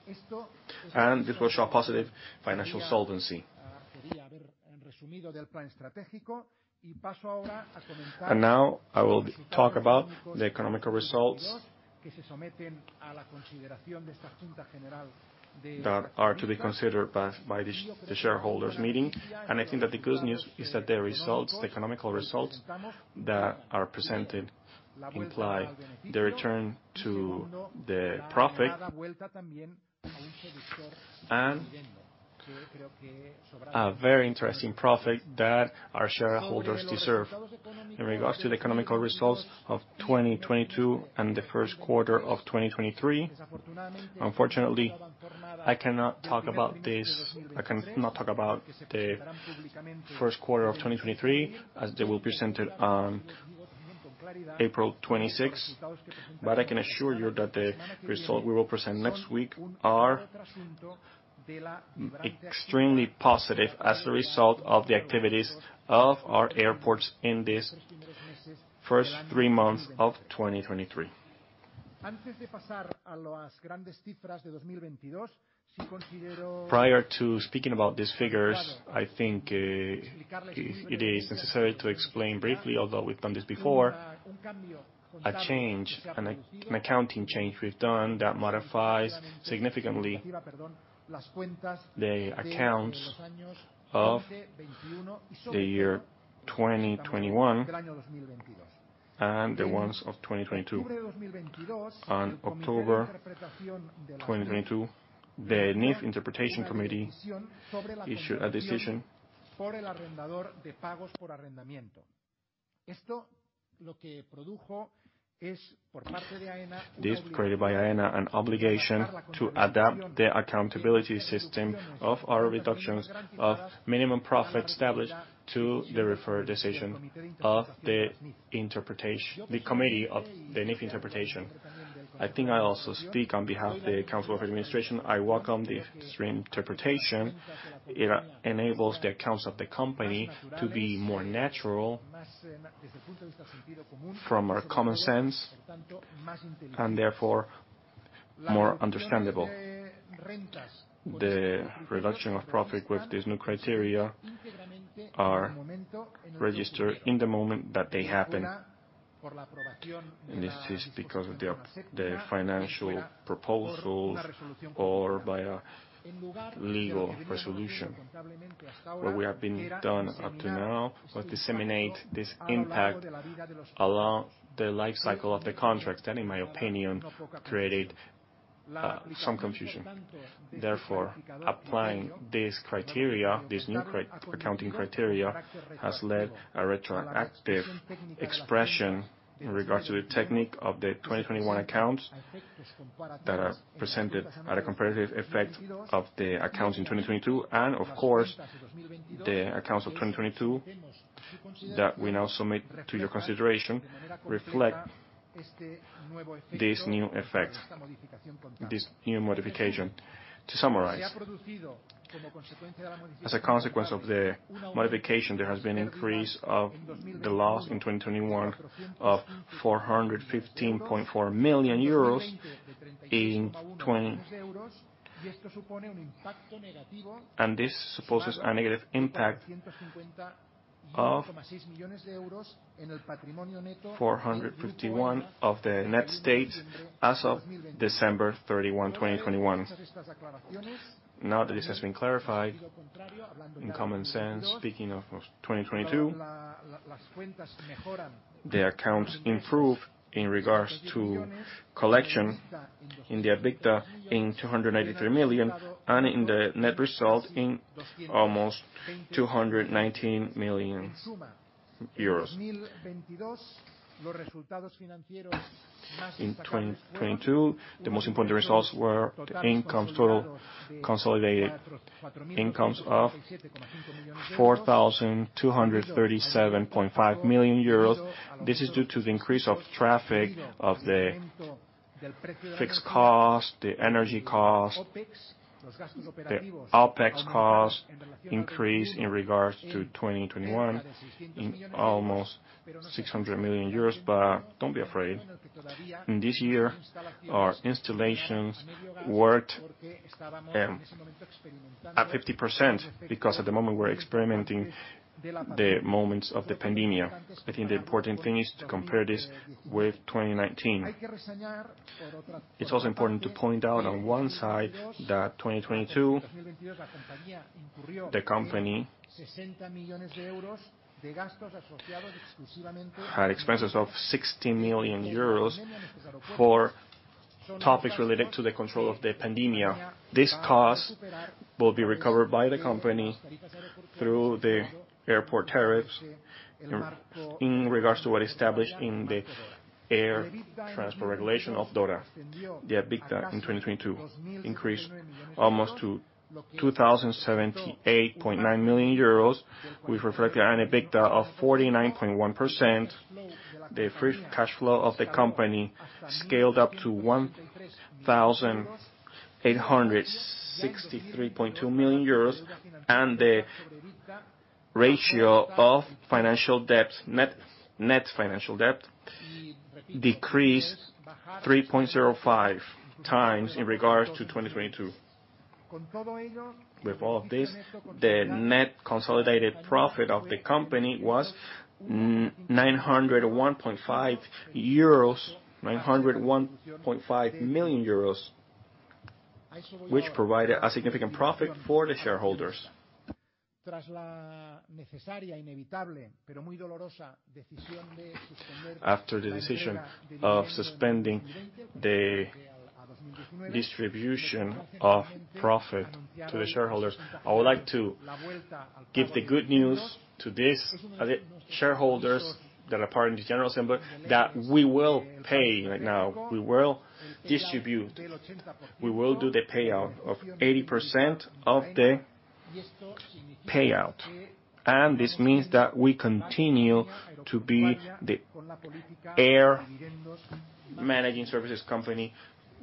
This will show a positive financial solvency. Now I will talk about the economic results that are to be considered by the shareholders meeting. I think that the good news is that the economic results that are presented imply the return to the profit and a very interesting profit that our shareholders deserve. In regards to the economic results of 2022 and the first quarter of 2023, unfortunately, I cannot talk about this. I can not talk about the 1st quarter of 2023, as they will be presented on April 26th. I can assure you that the result we will present next week are extremely positive as a result of the activities of our airports in this 1st 3 months of 2023. Prior to speaking about these figures, I think, it is necessary to explain briefly, although we've done this before, a change, an accounting change we've done that modifies significantly the accounts of the year 2021 and the ones of 2022. On October 2022, the IFRS Interpretations Committee issued a decision. This created by Aena an obligation to adapt the accountability system of our reductions of minimum profits established to the referred decision of the interpretation, the committee of the IFRS Interpretations. I think I also speak on behalf of the Council of Administration. I welcome this reinterpretation. It enables the accounts of the company to be more natural from our common sense, and therefore, more understandable. The reduction of profit with this new criteria are registered in the moment that they happen, and this is because of the financial proposals or by a legal resolution. What we have been done up to now was disseminate this impact along the life cycle of the contracts that, in my opinion, created some confusion. Therefore, applying this criteria, this new accounting criteria, has led a retroactive expression in regards to the technique of the 2021 accounts that are presented at a comparative effect of the accounts in 2022 and of course, the accounts of 2022 that we now submit to your consideration reflect this new effect, this new modification. To summarize, as a consequence of the modification, there has been increase of the loss in 2021 of 415.4 million euros. This supposes a negative impact of 451 of the net states as of December 31, 2021. Now that this has been clarified, in common sense, speaking of 2022, the accounts improve in regards to collection in the EBITDA in 293 million and in the net result in almost 219 million euros. In 2022, the most important results were incomes, total consolidated incomes of 4,237.5 million euros. This is due to the increase of traffic, of the fixed cost, the energy cost, the OpEx cost increased in regards to 2021 in almost 600 million euros. Don't be afraid. In this year, our installations worked at 50% because at the moment, we're experimenting the moments of the pandemia. I think the important thing is to compare this with 2019. It's also important to point out on one side that 2022, the company had expenses of 60 million euros for topics related to the control of the pandemia. This cost will be recovered by the company through the airport tariffs in regards to what is established in the air transport regulation of DORA. The EBITDA in 2022 increased almost to 2,078.9 million euros, which reflected an EBITDA of 49.1%. The free cash flow of the company scaled up to 1,863.2 million euros, and the ratio of financial debt, net financial debt decreased 3.05 times in regards to 2022. With all of this, the net consolidated profit of the company was 901.5 million euros, which provided a significant profit for the shareholders. After the decision of suspending the distribution of profit to the shareholders, I would like to give the good news to these shareholders that are part of the general assembly, that we will pay right now. We will do the payout of 80% of the payout. This means that we continue to be the air managing services company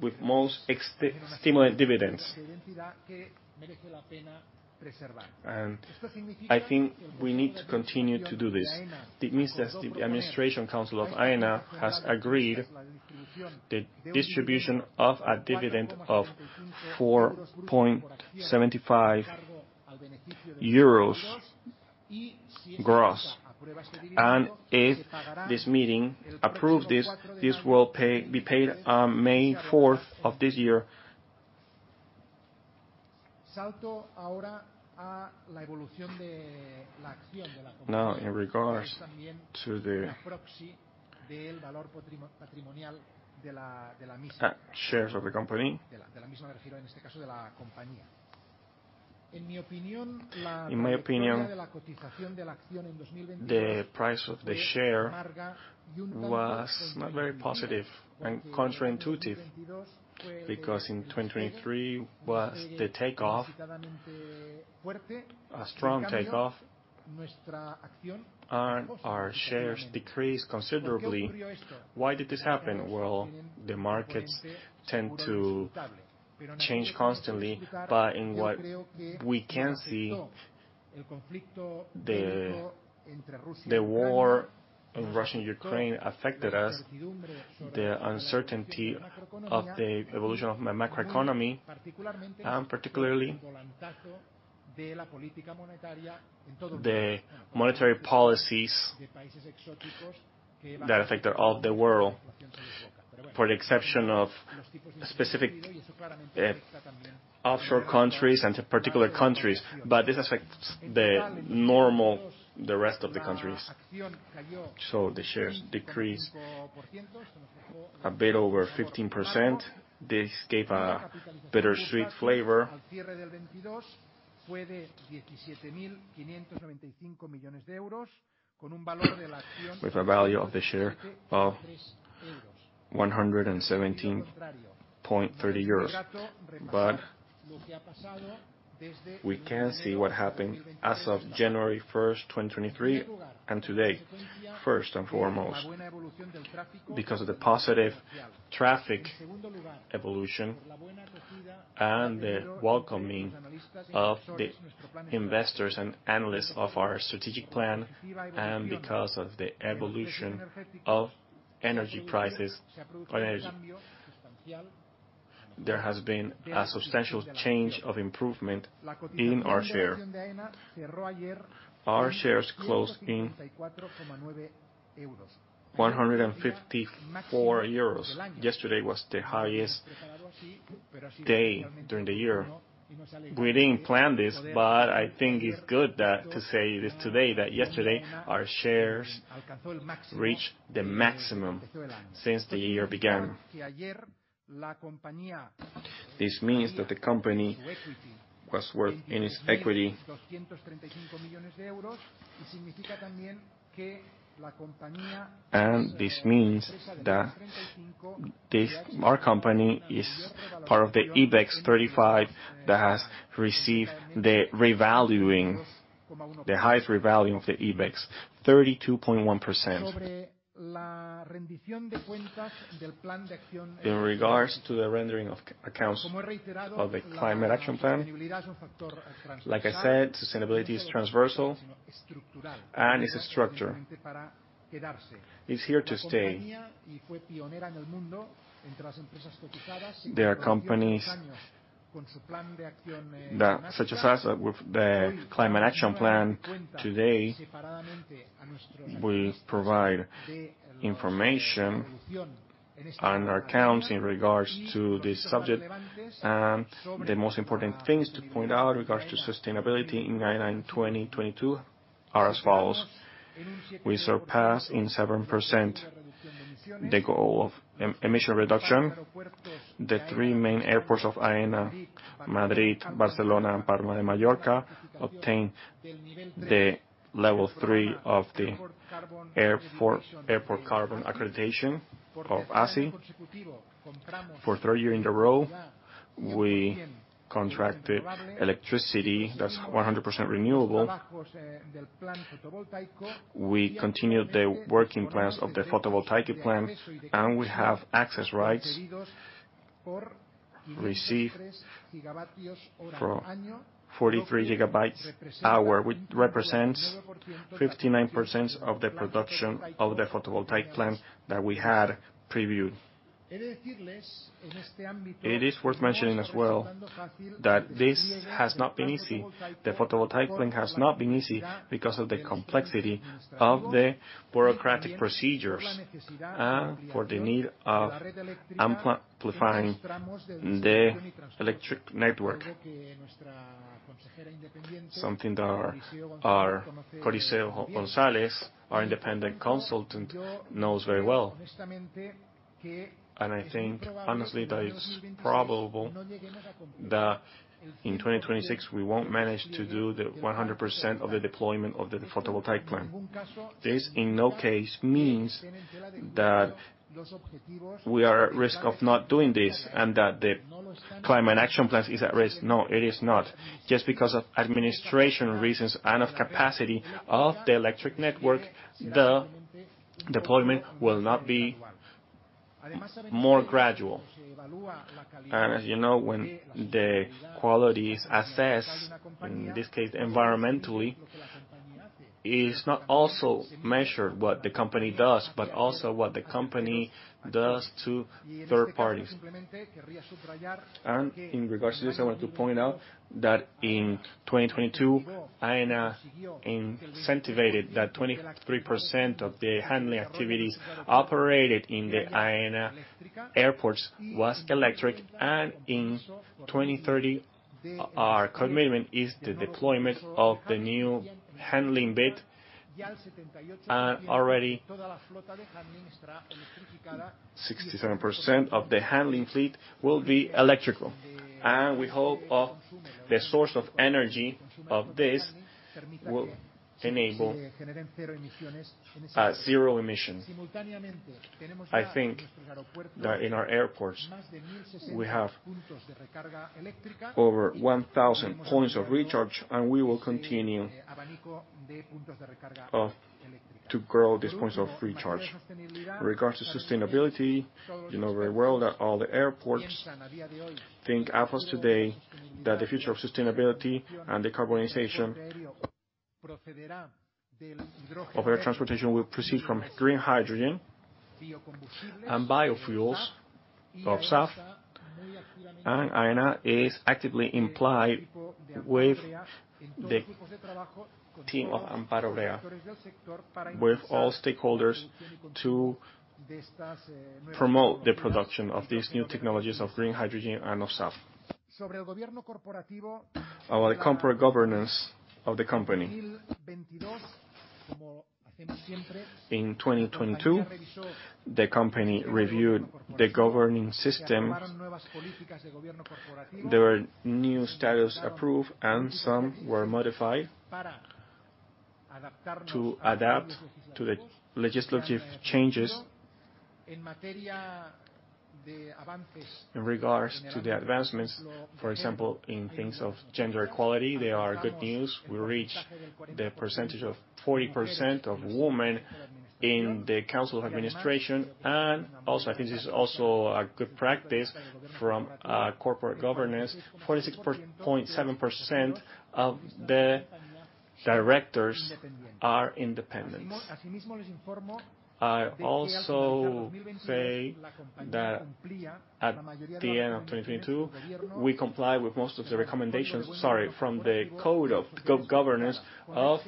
with most stimulant dividends. I think we need to continue to do this. It means that the administration council of Aena has agreed the distribution of a dividend of 4.75 euros gross. If this meeting approves this will be paid on May 4th of this year. In regards to the shares of the company. In my opinion, the price of the share was not very positive and counterintuitive because in 2023 was the takeoff, a strong takeoff, and our shares decreased considerably. Why did this happen? The markets tend to change constantly, but in what we can see, the war of Russia and Ukraine affected us, the uncertainty of the evolution of macroeconomy, particularly the monetary policies that affected all of the world, for the exception of specific offshore countries and to particular countries, but this affects the normal, the rest of the countries. The shares decreased a bit over 15%. This gave a bittersweet flavor with a value of the share of 117.30 euros. We can see what happened as of January 1, 2023 and today, first and foremost, because of the positive traffic evolution and the welcoming of the investors and analysts of our strategic plan, and because of the evolution of energy prices or energy, there has been a substantial change of improvement in our share. Our shares closed in 154 euros. Yesterday was the highest day during the year. We didn't plan this, but I think it's good that to say this today, that yesterday our shares reached the maximum since the year began. This means that the company was worth in its equity. This means that this, our company is part of the IBEX 35 that has received the revaluing, the highest revaluing of the IBEX, 32.1%. In regards to the rendering of accounts of the Climate Action Plan. Like I said, sustainability is transversal and is a structure. It's here to stay. There are companies that, such as us, with the Climate Action Plan today, we provide information and our accounts in regards to this subject. The most important things to point out in regards to sustainability in Aena in 2022 are as follows: We surpassed in 7% the goal of emission reduction. The three main airports of Aena, Madrid, Barcelona, and Palma de Mallorca, obtained the level three of the Airport Carbon Accreditation of ACA. For third year in a row, we contracted electricity that's 100% renewable. We continued the working plans of the photovoltaic plant, and we have access rights received for 43 gigabytes hour, which represents 59% of the production of the photovoltaic plant that we had previewed. It is worth mentioning as well that this has not been easy. The photovoltaic plan has not been easy because of the complexity of the bureaucratic procedures and for the need of amplifying the electric network, something that our Coriseo González, our independent consultant, knows very well. I think, honestly, that it's probable that in 2026, we won't manage to do the 100% of the deployment of the photovoltaic plan. This, in no case, means that we are at risk of not doing this and that the Climate Action Plan is at risk. No, it is not. Just because of administration reasons and of capacity of the electric network, the deployment will not be more gradual. As you know, when the quality is assessed, in this case environmentally, it's not also measured what the company does, but also what the company does to third parties. In regards to this, I want to point out that in 2022, Aena incentivized that 23% of the handling activities operated in the Aena airports was electric. In 2030, our commitment is the deployment of the new handling bit. Already 67% of the handling fleet will be electrical. We hope of the source of energy of this will enable zero emission. I think that in our airports, we have over 1,000 points of recharge, and we will continue of to grow these points of recharge. In regards to sustainability, you know very well that all the airports think of us today, that the future of sustainability and decarbonization of air transportation will proceed from green hydrogen and biofuels of SAF. Aena is actively implied with the team of Amparo Orea, with all stakeholders to promote the production of these new technologies of green hydrogen and of SAF. About the corporate governance of the company. In 2022, the company reviewed the governing system. There were new status approved and some were modified to adapt to the legislative changes. In regards to the advancements, for example, in things of gender equality, there are good news. We reached the percentage of 40% of women in the Council of Administration. Also, I think this is also a good practice from corporate governance, 46.7% of the directors are independents. I also say that at the end of 2022, we comply with most of the recommendations, sorry, from the Code of Governance of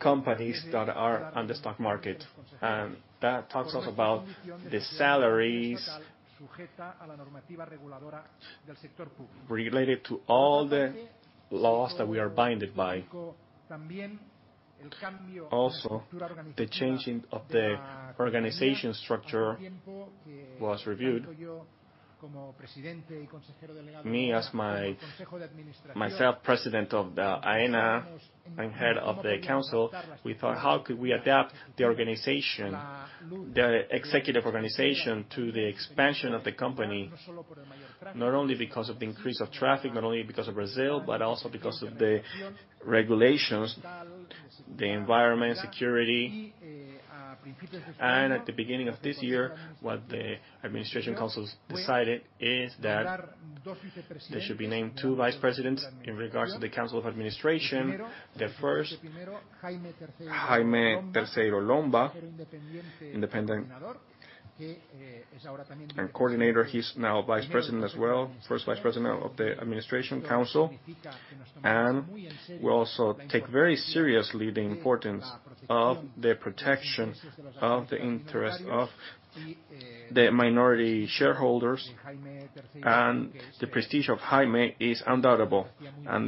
companies that are on the stock market. That talks also about the salaries related to all the laws that we are binded by. Also, the changing of the organization structure was reviewed. Myself, President of Aena and head of the Council, we thought, "How could we adapt the organization, the executive organization to the expansion of the company, not only because of the increase of traffic, not only because of Brazil, but also because of the regulations, the environment, security?" At the beginning of this year, what the administration councils decided is that there should be named 2 vice presidents in regards to the Council of Administration. The first, Jaime Terceiro Lomba, independent and coordinator. He's now Vice President as well, First Vice President of the administration council. We also take very seriously the importance of the protection of the interest of the minority shareholders, and the prestige of Jaime is undoubtable.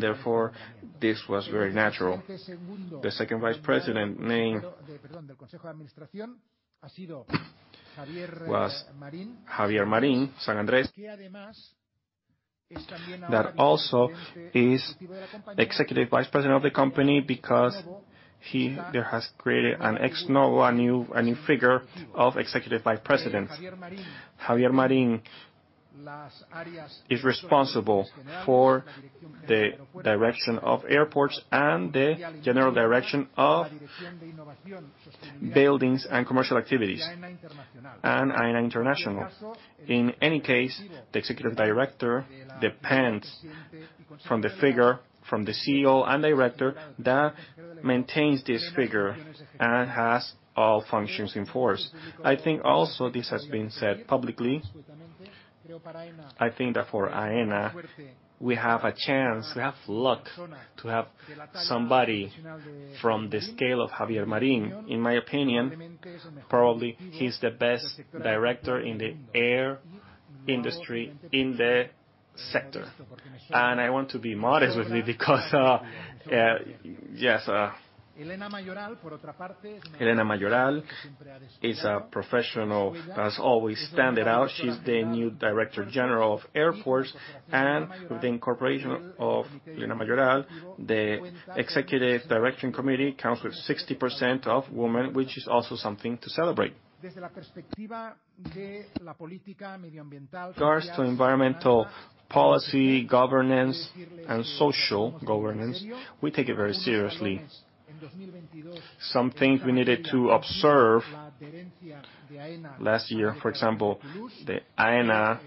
Therefore, this was very natural. The Second Vice President named was Javier Marín San Andrés, that also is Executive Vice President of the company because he has created an ex novo, a new figure of Executive Vice President. Javier Marín is responsible for the direction of airports and the general direction of buildings and commercial activities and Aena Internacional. In any case, the Executive Director depends from the figure, from the CEO and Director that maintains this figure and has all functions in force. I think also this has been said publicly. I think that for Aena, we have a chance, we have luck to have somebody from the scale of Javier Marín. In my opinion, probably, he's the best director in the air industry in the sector. I want to be modest with it because Elena Mayoral is a professional that's always stand it out. She's the new Director General of Airports, and with the incorporation of Elena Mayoral, the executive direction committee counts with 60% of women, which is also something to celebrate. Regards to environmental policy, governance, and social governance, we take it very seriously. Some things we needed to observe last year, for example, Aena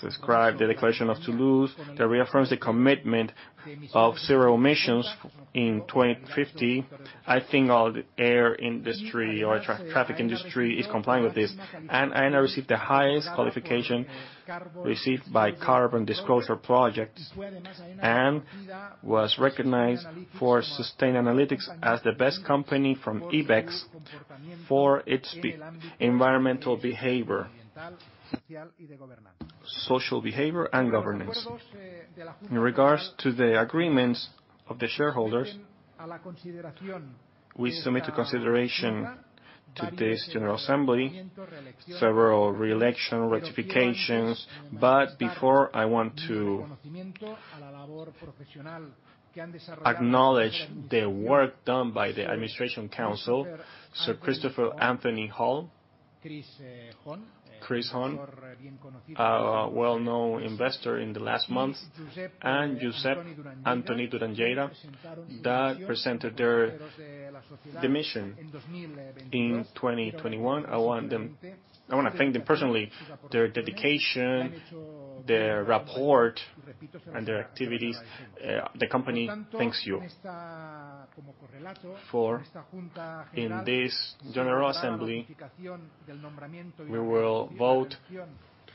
subscribed the Declaration of Toulouse that reaffirms the commitment of zero emissions in 2050. I think all the air industry or traffic industry is complying with this. Aena received the highest qualification received by Carbon Disclosure Project and was recognized for Sustainalytics as the best company from IBEX for its environmental behavior, social behavior, and governance. In regards to the agreements of the shareholders, we submit to consideration to this general assembly several re-election ratifications. Before, I want to acknowledge the work done by the administration council, Sir Christopher Anthony Hohn, Chris Hohn, a well-known investor in the last month, and Josep Antoni Duran i Lleida, that presented their demolition in 2021. I wanna thank them personally, their dedication, their report, and their activities. The company thanks you for. In this general assembly, we will vote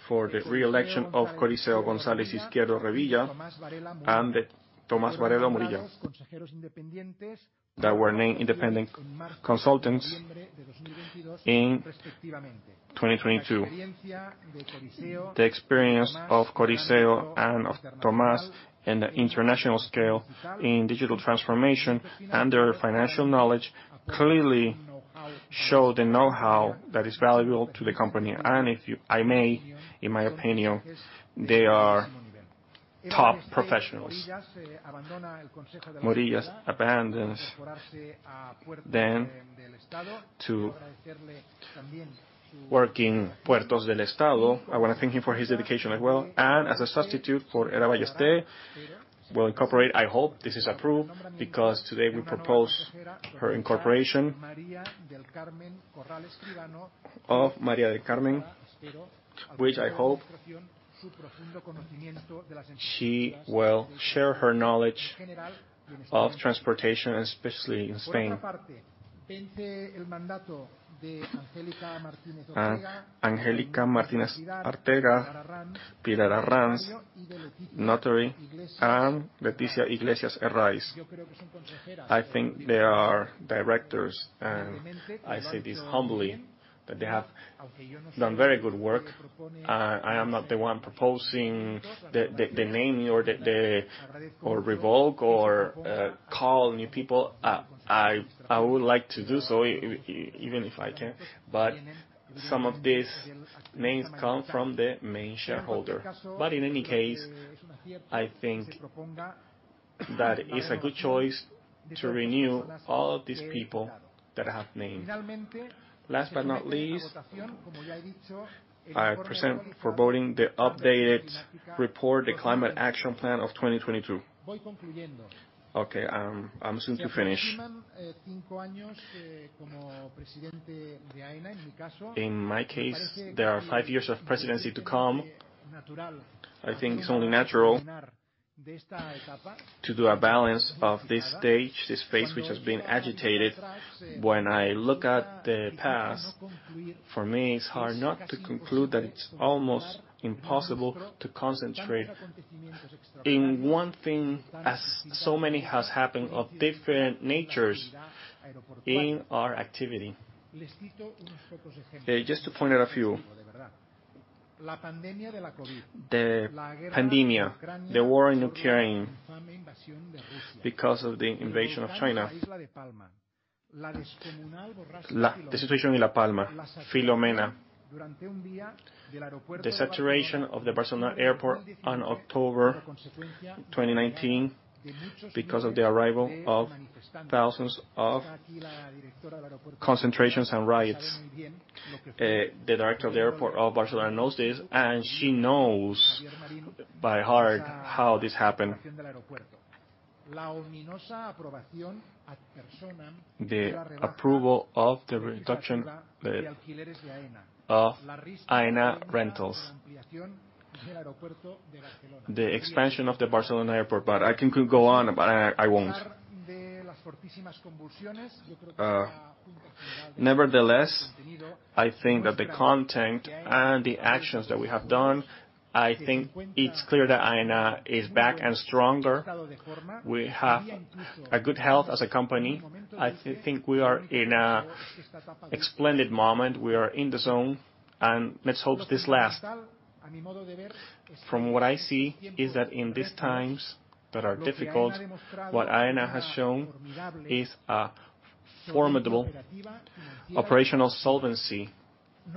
for the re-election of Coriseo González-Izquierdo Revilla and Tomás Varela Muiña that were named independent consultants in 2022. The experience of Coriseo and of Tomás in the international scale in digital transformation and their financial knowledge clearly show the know-how that is valuable to the company. In my opinion, they are top professionals. Murillas abandons then to work in Puertos del Estado. I wanna thank him for his dedication as well. As a substitute for Heribay Esté will incorporate, I hope this is approved because today we propose her incorporation of María del Carmen, which I hope she will share her knowledge of transportation, especially in Spain. Angélica Martínez Ortega, Pilar Arranz Notario, and Leticia Iglesias Herraiz. I think they are directors, and I say this humbly. That they have done very good work. I am not the one proposing the name or the or revoke or call new people. I would like to do so even if I can, some of these names come from the main shareholder. In any case, I think that it's a good choice to renew all these people that I have named. Last but not least, I present for voting the updated report, the Climate Action Plan of 2022. I'm soon to finish. In my case, there are 5 years of presidency to come. I think it's only natural to do a balance of this stage, this phase which has been agitated. When I look at the past, for me, it's hard not to conclude that it's almost impossible to concentrate in one thing as so many has happened of different natures in our activity. Just to point out a few. The pandemic, the war in Ukraine because of the invasion of China. The situation in La Palma, Filomena, the saturation of the Barcelona airport on October 2019 because of the arrival of thousands of concentrations and riots. The director of the airport of Barcelona knows this, and she knows by heart how this happened. The approval of the reduction, the of Aena rentals. The expansion of the Barcelona airport. I can go on, but I won't. Nevertheless, I think that the content and the actions that we have done, I think it's clear that Aena is back and stronger. We have a good health as a company. I think we are in a splendid moment. We are in the zone, and let's hope this last. From what I see is that in these times that are difficult, what Aena has shown is a formidable operational solvency,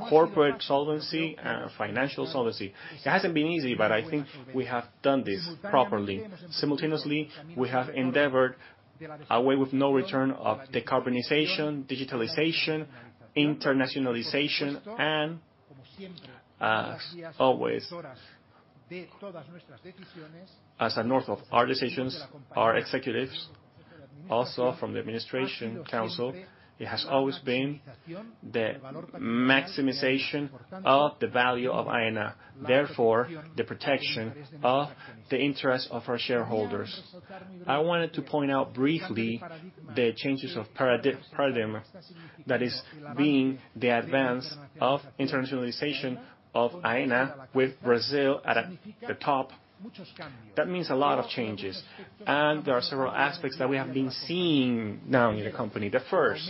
corporate solvency, and financial solvency. It hasn't been easy, but I think we have done this properly. Simultaneously, we have endeavored a way with no return of decarbonization, digitalization, internationalization, and, as always, as a north of our decisions, our executives, also from the administration council, it has always been the maximization of the value of Aena, therefore, the protection of the interest of our shareholders. I wanted to point out briefly the changes of para-paradigm that is being the advance of internationalization of Aena with Brazil at a, the top. That means a lot of changes, and there are several aspects that we have been seeing now in the company. The first,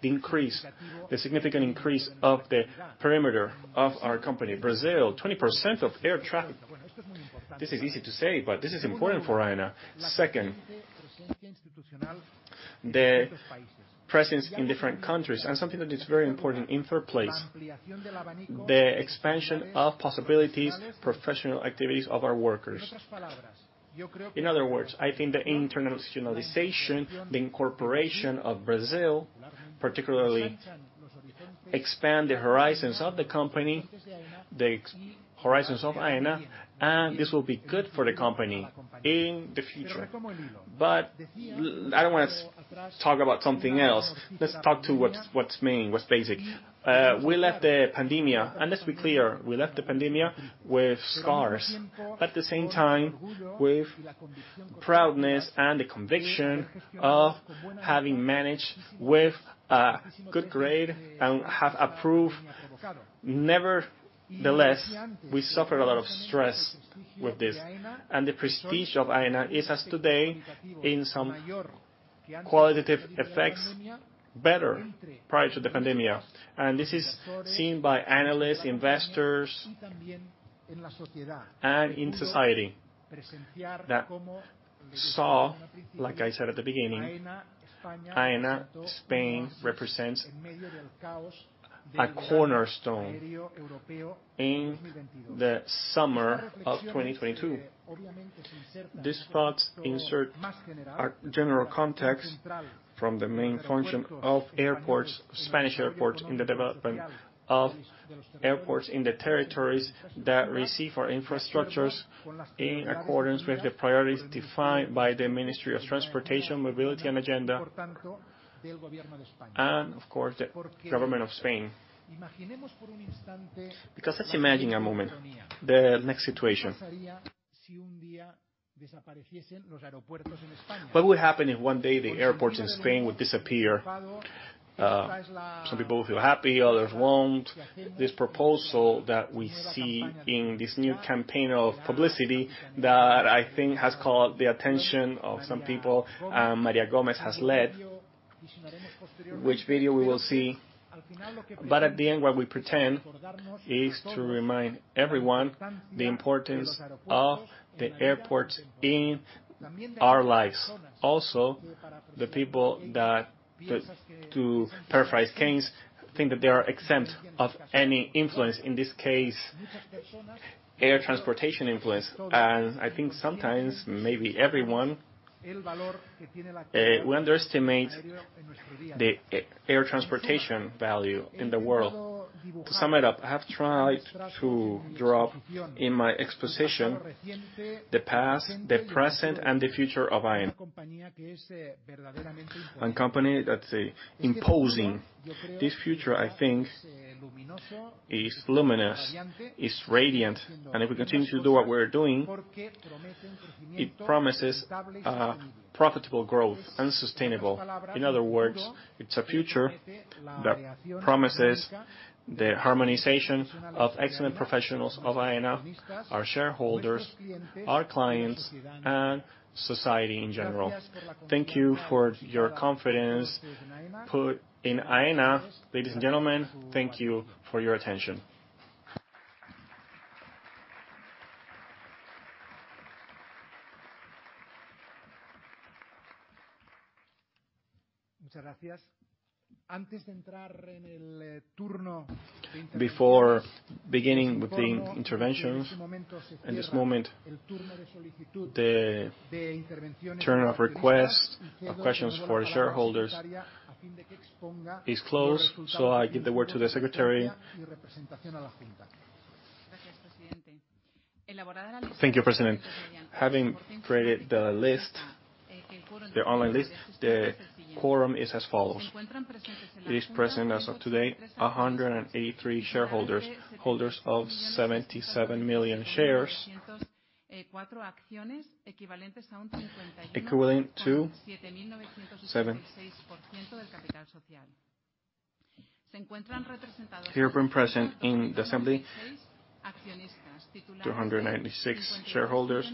the increase, the significant increase of the perimeter of our company. Brazil, 20% of air traffic. This is easy to say, but this is important for Aena. Second, the presence in different countries. Something that is very important in third place, the expansion of possibilities, professional activities of our workers. In other words, I think the internationalization, the incorporation of Brazil, particularly expand the horizons of the company, the horizons of Aena, and this will be good for the company in the future. I don't wanna talk about something else. Let's talk to what's main, what's basic. We left the pandemic. Let's be clear, we left the pandemic with scars. At the same time, with proudness and the conviction of having managed with a good grade and have approved. Nevertheless, we suffered a lot of stress with this. The prestige of Aena is as today in some qualitative effects better prior to the pandemic. This is seen by analysts, investors, and in society that saw, like I said at the beginning, Aena Spain represents a cornerstone in the summer of 2022. These thoughts insert a general context from the main function of airports, Spanish airports, in the development of airports in the territories that receive our infrastructures in accordance with the priorities defined by the Ministry of Transport, Mobility and Urban Agenda, and of course, the government of Spain. Let's imagine a moment, the next situation. What would happen if one day the airports in Spain would disappear? Some people will feel happy, others won't. This proposal that we see in this new campaign of publicity that I think has caught the attention of some people, and María Gómez has ledWhich video we will see. At the end, what we pretend is to remind everyone the importance of the airports in our lives. Also, the people that to paraphrase Keynes, think that they are exempt of any influence, in this case, air transportation influence. I think sometimes, maybe everyone, we underestimate the air transportation value in the world. To sum it up, I have tried to draw in my exposition the past, the present, and the future of Aena. One company that's imposing this future, I think, is luminous, is radiant, and if we continue to do what we're doing, it promises profitable growth and sustainable. In other words, it's a future that promises the harmonization of excellent professionals of Aena, our shareholders, our clients, and society in general. Thank you for your confidence put in Aena. Ladies and gentlemen, thank you for your attention. Before beginning with the interventions, in this moment, the turn of requests of questions for the shareholders is closed, I give the word to the secretary. Thank you, President. Having created the list, the online list, the quorum is as follows. It is present as of today, 183 shareholders, holders of 77 million shares. Here are present in the assembly, 296 shareholders.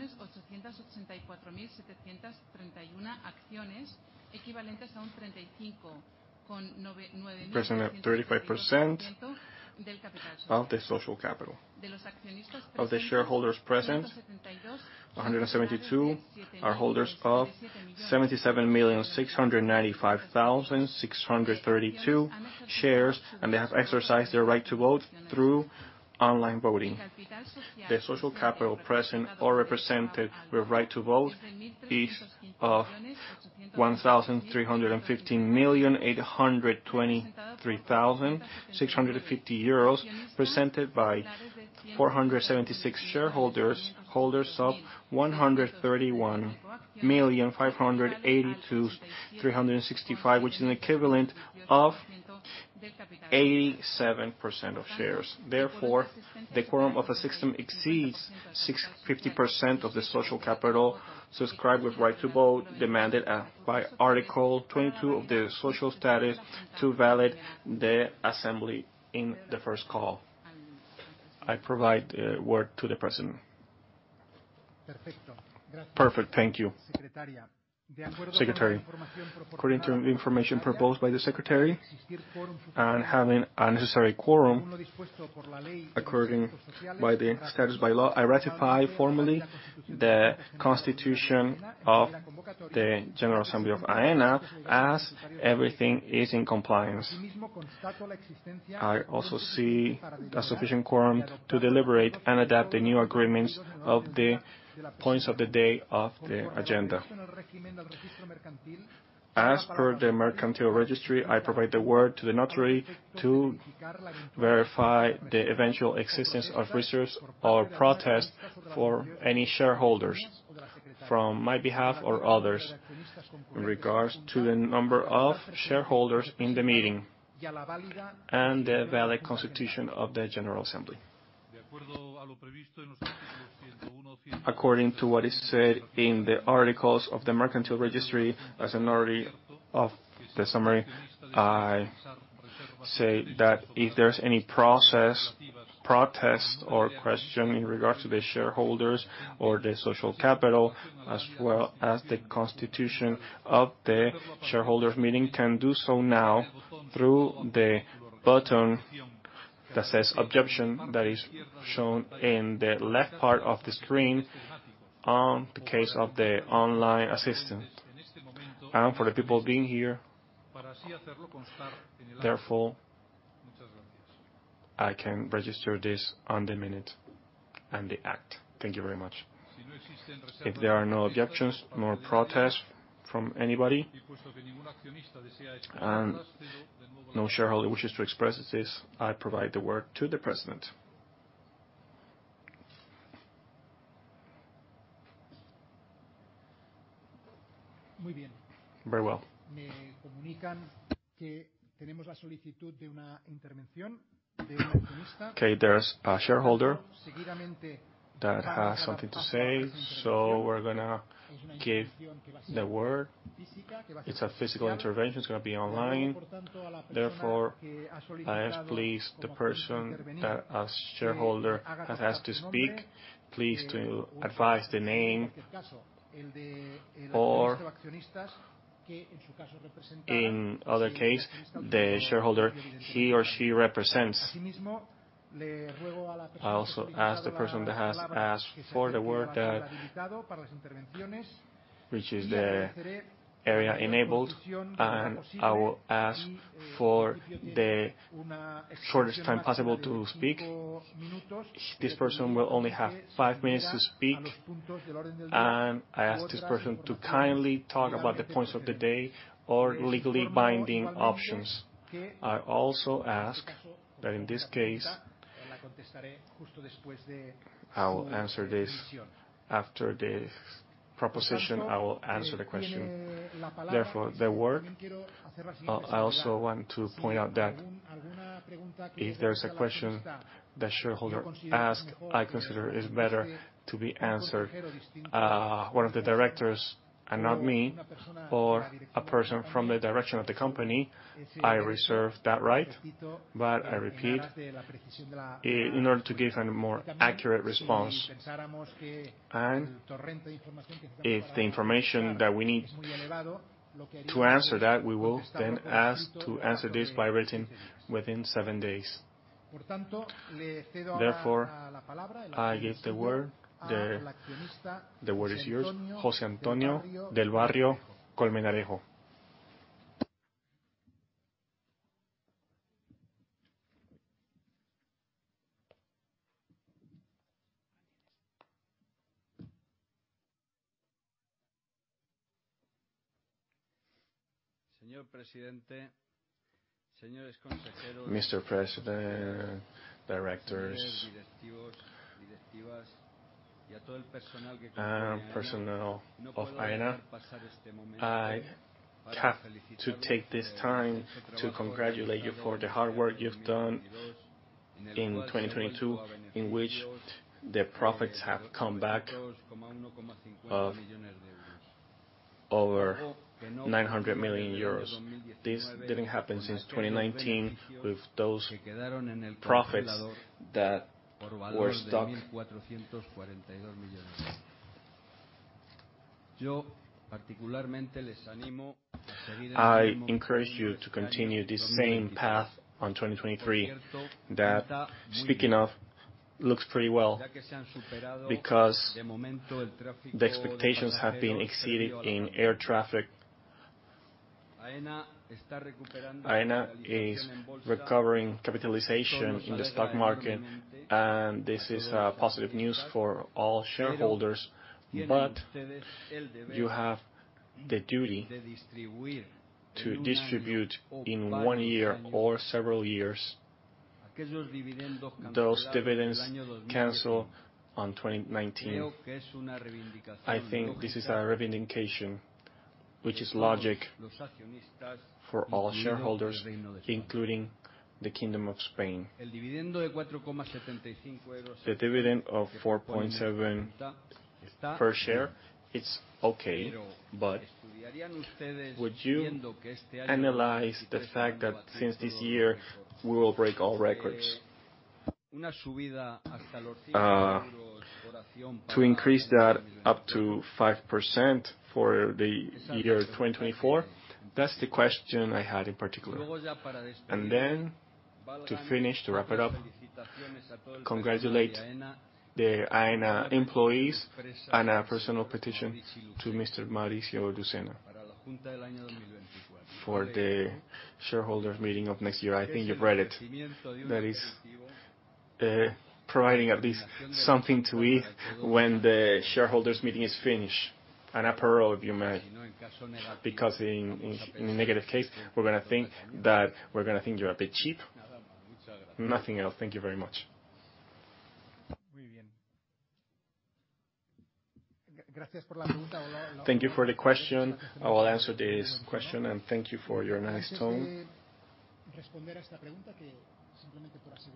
Representing 35% of the social capital. Of the shareholders present, 172 are holders of 77,695,632 shares, and they have exercised their right to vote through online voting. The social capital present or represented with right to vote is of 1,315,823,650 euros, presented by 476 shareholders, holders of 131,582,365, which is an equivalent of 87% of shares. The quorum of a system exceeds 50% of the social capital subscribed with right to vote demanded by Article 22 of the Social Status to valid the assembly in the first call. I provide word to the president. Perfect. Thank you. Secretary, according to information proposed by the secretary, having a necessary quorum according by the status by law, I ratify formally the constitution of the general assembly of Aena as everything is in compliance. I also see a sufficient quorum to deliberate and adapt the new agreements of the points of the day of the agenda. As per the Mercantile Registry, I provide the word to the notary to verify the eventual existence of reserves or protests for any shareholders from my behalf or others in regards to the number of shareholders in the meeting and the valid constitution of the general assembly. According to what is said in the articles of the Mercantile Registry, as a notary of the summary, I say that if there's any process, protest, or question in regards to the shareholders or the social capital, as well as the constitution of the shareholders' meeting, can do so now through the button that says Objection that is shown in the left part of the screen on the case of the online assistant and for the people being here. I can register this on the minute and the act. Thank you very much. There are no objections nor protests from anybody, and no shareholder wishes to express this, I provide the word to the President. Very well. There's a shareholder that has something to say, we're gonna give the word. It's a physical intervention. It's gonna be online. I ask please the person that as shareholder has to speak, please to advise the name or in other case, the shareholder he or she represents. I also ask the person that has asked for the word that, which is the area enabled, I will ask for the shortest time possible to speak. This person will only have five minutes to speak, I ask this person to kindly talk about the points of the day or legally binding options. I also ask that in this case, I will answer this. After the proposition, I will answer the question. I also want to point out that if there's a question the shareholder ask, I consider it's better to be answered, one of the directors and not me or a person from the direction of the company. I reserve that right, I repeat, in order to give a more accurate response, and if the information that we need to answer that, we will then ask to answer this by writing within seven days. I give the word, the word is yours, José Antonio del Barrio Colmenarejo. Mr. President, directors, and personnel of Aena, I have to take this time to congratulate you for the hard work you've done in 2022, in which the profits have come back of over 900 million euros. This didn't happen since 2019 with those profits that were stuck. I encourage you to continue the same path on 2023. Speaking of, looks pretty well because the expectations have been exceeded in air traffic. Aena is recovering capitalization in the stock market, this is positive news for all shareholders. You have the duty to distribute in one year or several years those dividends canceled on 2019. I think this is a reivindication which is logic for all shareholders, including the Kingdom of Spain. The dividend of 4.7 per share, it's okay, but would you analyze the fact that since this year, we will break all records? To increase that up to 5% for the year 2024, that's the question I had in particular. To finish, to wrap it up, congratulate the Aena employees and a personal petition to Mr. Maurici Lucena for the shareholders meeting of next year. I think you've read it, that is, providing at least something to eat when the shareholders meeting is finished, an Aperol, if you may, because in a negative case, we're gonna think you're a bit cheap. Nothing else. Thank you very much. Thank you for the question. I will answer this question, and thank you for your nice tone.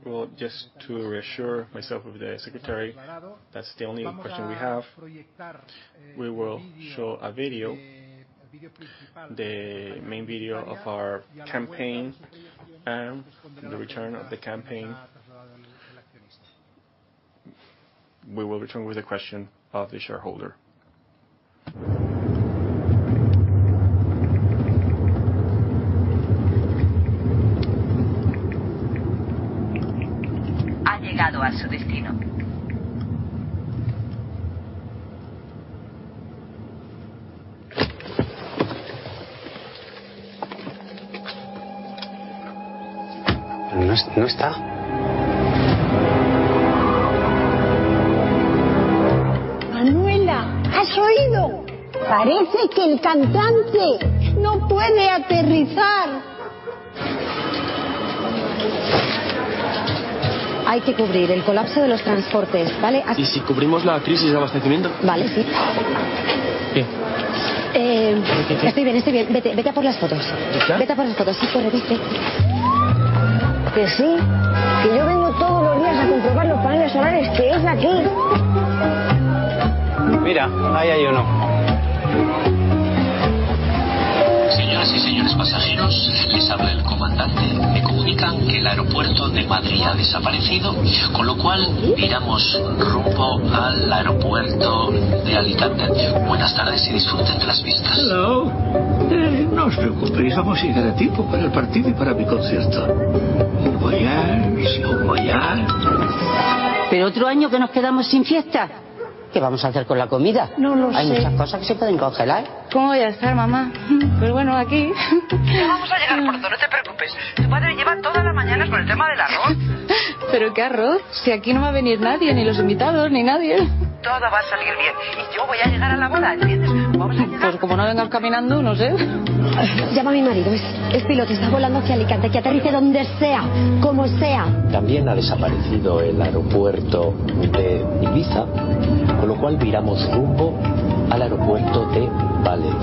Well, just to reassure myself with the secretary, that's the only question we have. We will show a video, the main video of our campaign and the return of the campaign. We will return with the question of the shareholder. Muy bien. Very well. I'll proceed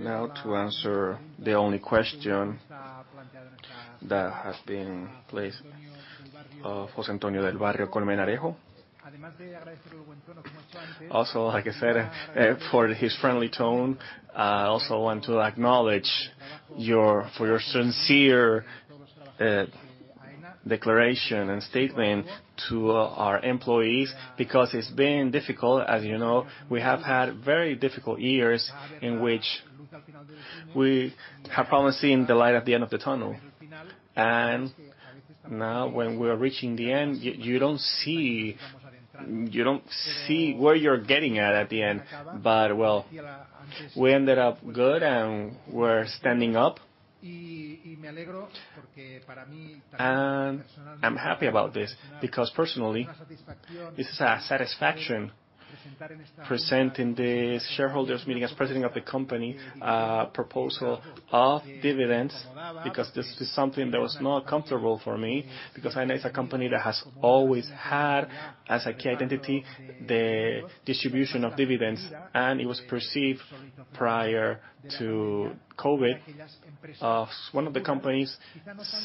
now to answer the only question that has been placed of José Antonio del Barrio Colmenarejo. Also, like I said, for his friendly tone, I also want to acknowledge for your sincere declaration and statement to our employees, because it's been difficult. As you know, we have had very difficult years in which we have probably seen the light at the end of the tunnel. Now when we are reaching the end, you don't see where you're getting at at the end. Well, we ended up good and we're standing up. I'm happy about this because personally, this is a satisfaction presenting the shareholders' meeting as president of the company, a proposal of dividends, because this is something that was not comfortable for me, because Aena is a company that has always had as a key identity the distribution of dividends, and it was perceived prior to COVID of one of the companies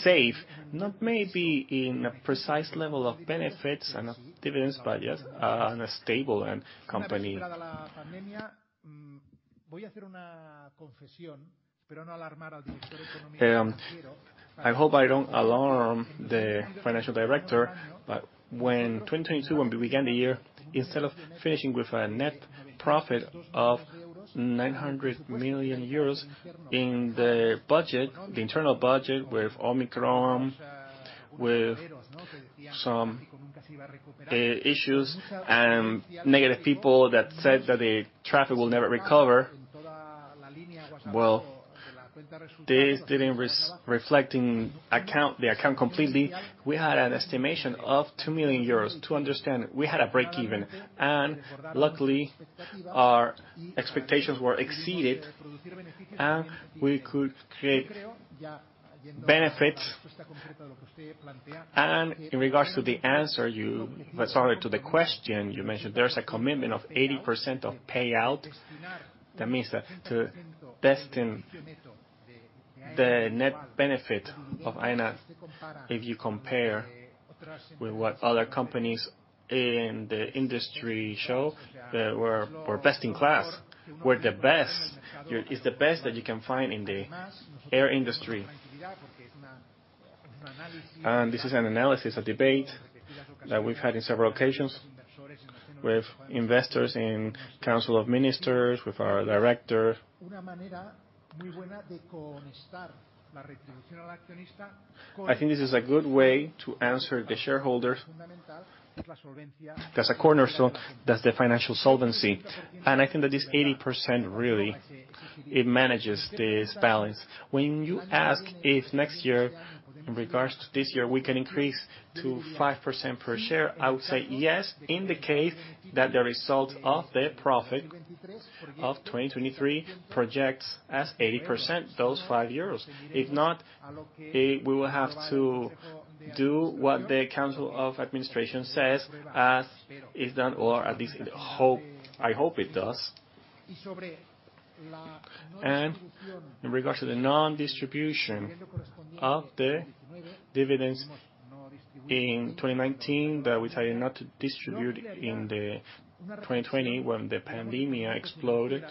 safe, not maybe in a precise level of benefits and of dividends, but just on a stable end company. Una vez superada la pandemia. Voy a hacer una confesión, espero no alarmar al director económico financiero. I hope I don't alarm the financial director, when 2022, when we began the year, instead of finishing with a net profit of 900 million euros in the budget, the internal budget with Omicron, with some issues and negative people that said that the traffic will never recover. This didn't reflect in the account completely. We had an estimation of 2 million euros to understand we had a break even. Luckily, our expectations were exceeded and we could create benefit. In regards to the answer, sorry, to the question you mentioned, there's a commitment of 80% of payout. That means that to destin the net benefit of Aena, if you compare with what other companies in the industry show, we're best in class. We're the best. It's the best that you can find in the air industry. nosotros tenemos tranquilidad porque es un análisis, un debate... This is an analysis, a debate that we've had in several occasions with investors in Council of Ministers, with our director. I think this is a good way to answer the shareholders. That's a cornerstone. That's the financial solvency. I think that this 80% really, it manages this balance. When you ask if next year, in regards to this year, we can increase to 5% per share, I would say yes, in the case that the result of the profit of 2023 projects as 80%, those 5 euros. If not, we will have to do what the Council of Administration says as is done, or at least hope, I hope it does. In regards to the non-distribution of the dividends in 2019 that we decided not to distribute in 2020 when the pandemic exploded,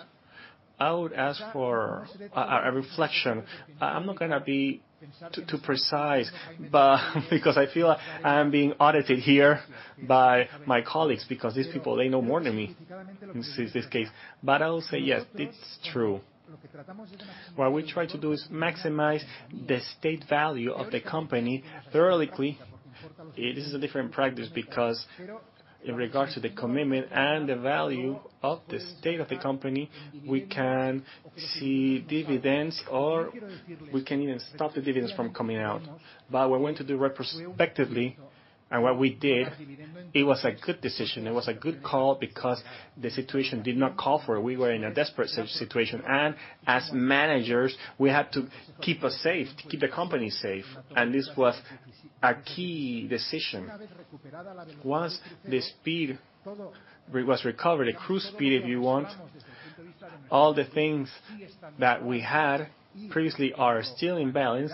I would ask for a reflection. I'm not going to be too precise, but because I feel I am being audited here by my colleagues, because these people, they know more than me in this case. I will say, yes, it's true. What we try to do is maximize the state value of the company thoroughly. This is a different practice because in regards to the commitment and the value of the state of the company, we can see dividends or we can even stop the dividends from coming out. We're going to do respectively. What we did, it was a good decision. It was a good call because the situation did not call for it. We were in a desperate situation, as managers, we had to keep us safe, to keep the company safe. This was a key decision. Once the speed we was recovered, the cruise speed, if you want. All the things that we had previously are still in balance.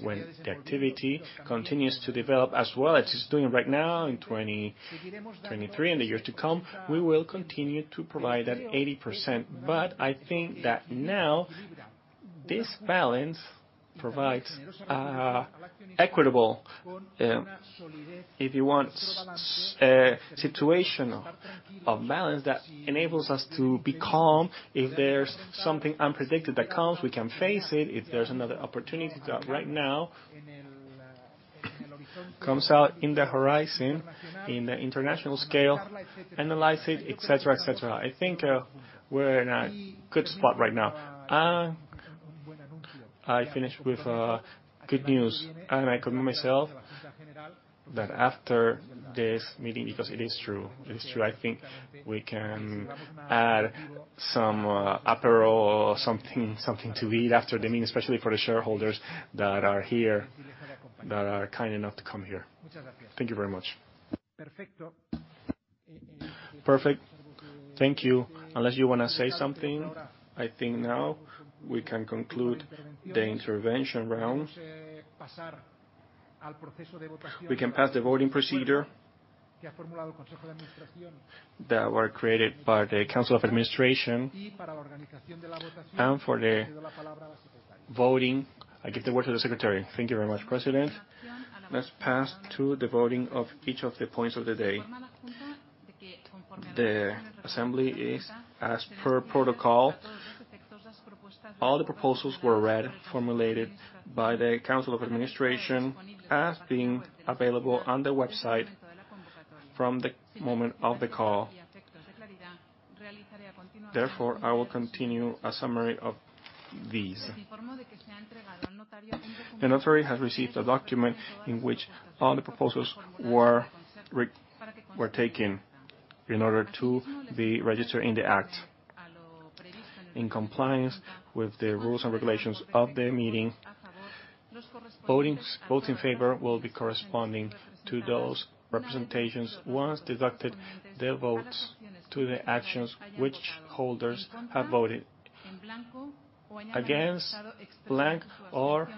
When the activity continues to develop as well as it's doing right now in 2023 and the years to come, we will continue to provide that 80%. I think that now this balance provides a equitable, if you want, situation of balance that enables us to be calm. If there's something unpredicted that comes, we can face it. If there's another opportunity that right now comes out in the horizon in the international scale, analyze it, et cetera, et cetera. I think, we're in a good spot right now. I finish with good news. I commend myself that after this meeting, because it is true, I think we can add some Aperol or something to eat after the meeting, especially for the shareholders that are here, that are kind enough to come here. Thank you very much. Perfect. Thank you. Unless you wanna say something, I think now we can conclude the intervention round. We can pass the voting procedure that were created by the Board of Directors. For the voting, I give the word to the secretary. Thank you very much, President. Let's pass to the voting of each of the points of the day. The assembly is as per protocol. All the proposals were read, formulated by the Board of Directors as being available on the website from the moment of the call. Therefore, I will continue a summary of these. The notary has received a document in which all the proposals were taken in order to be registered in the act. In compliance with the rules and regulations of the meeting, votes in favor will be corresponding to those representations once deducted the votes to the actions which holders have voted against, blank, or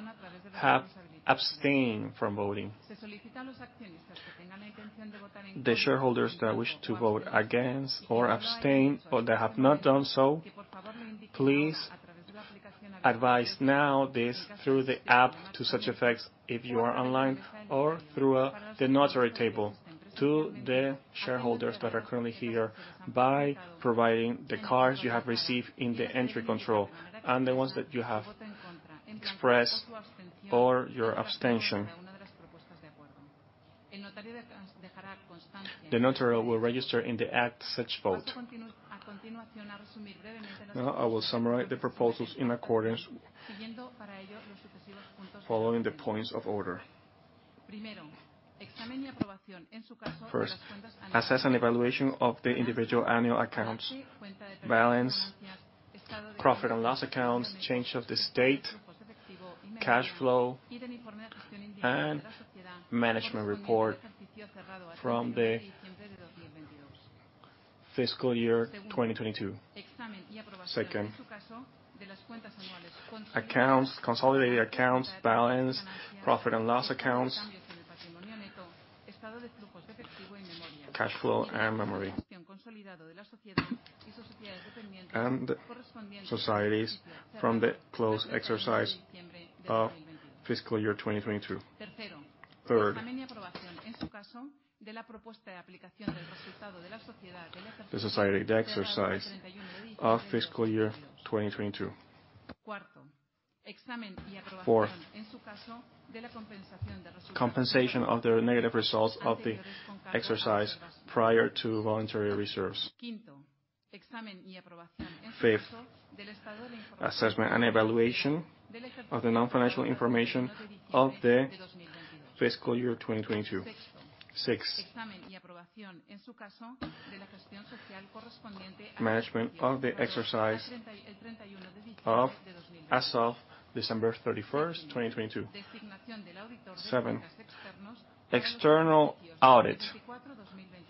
have abstained from voting. The shareholders that wish to vote against or abstain or they have not done so, please advise now this through the app to such effects if you are online or through the notary table to the shareholders that are currently here by providing the cards you have received in the entry control and the ones that you have expressed or your abstention. The notary will register in the act such vote. I will summarize the proposals in accordance, following the points of order. First, assess and evaluation of the individual annual accounts, balance, profit and loss accounts, change of the state, cash flow, and management report from the fiscal year 2022. Second, accounts, consolidated accounts, balance, profit and loss accounts, cash flow, and memory, and societies from the closed exercise of fiscal year 2022. Third. In this case, de la propuesta de aplicación del resultado de la sociedad. The society exercise of fiscal year 2022. Cuarto. Examen y aprobación. Fourth. En su caso, de la compensación de resultados. Compensation of the negative results of the exercise prior to voluntary reserves. Quinto. Examen y aprobación, en su caso, del estado del informe- Fifth. Assessment and evaluation of the non-financial information of the fiscal year 2022. Six. Examen y aprobación, en su caso, de la gestión social correspondiente a- Management of the exercise as of December 31st, 2022. Designación del auditor. Seven. External audit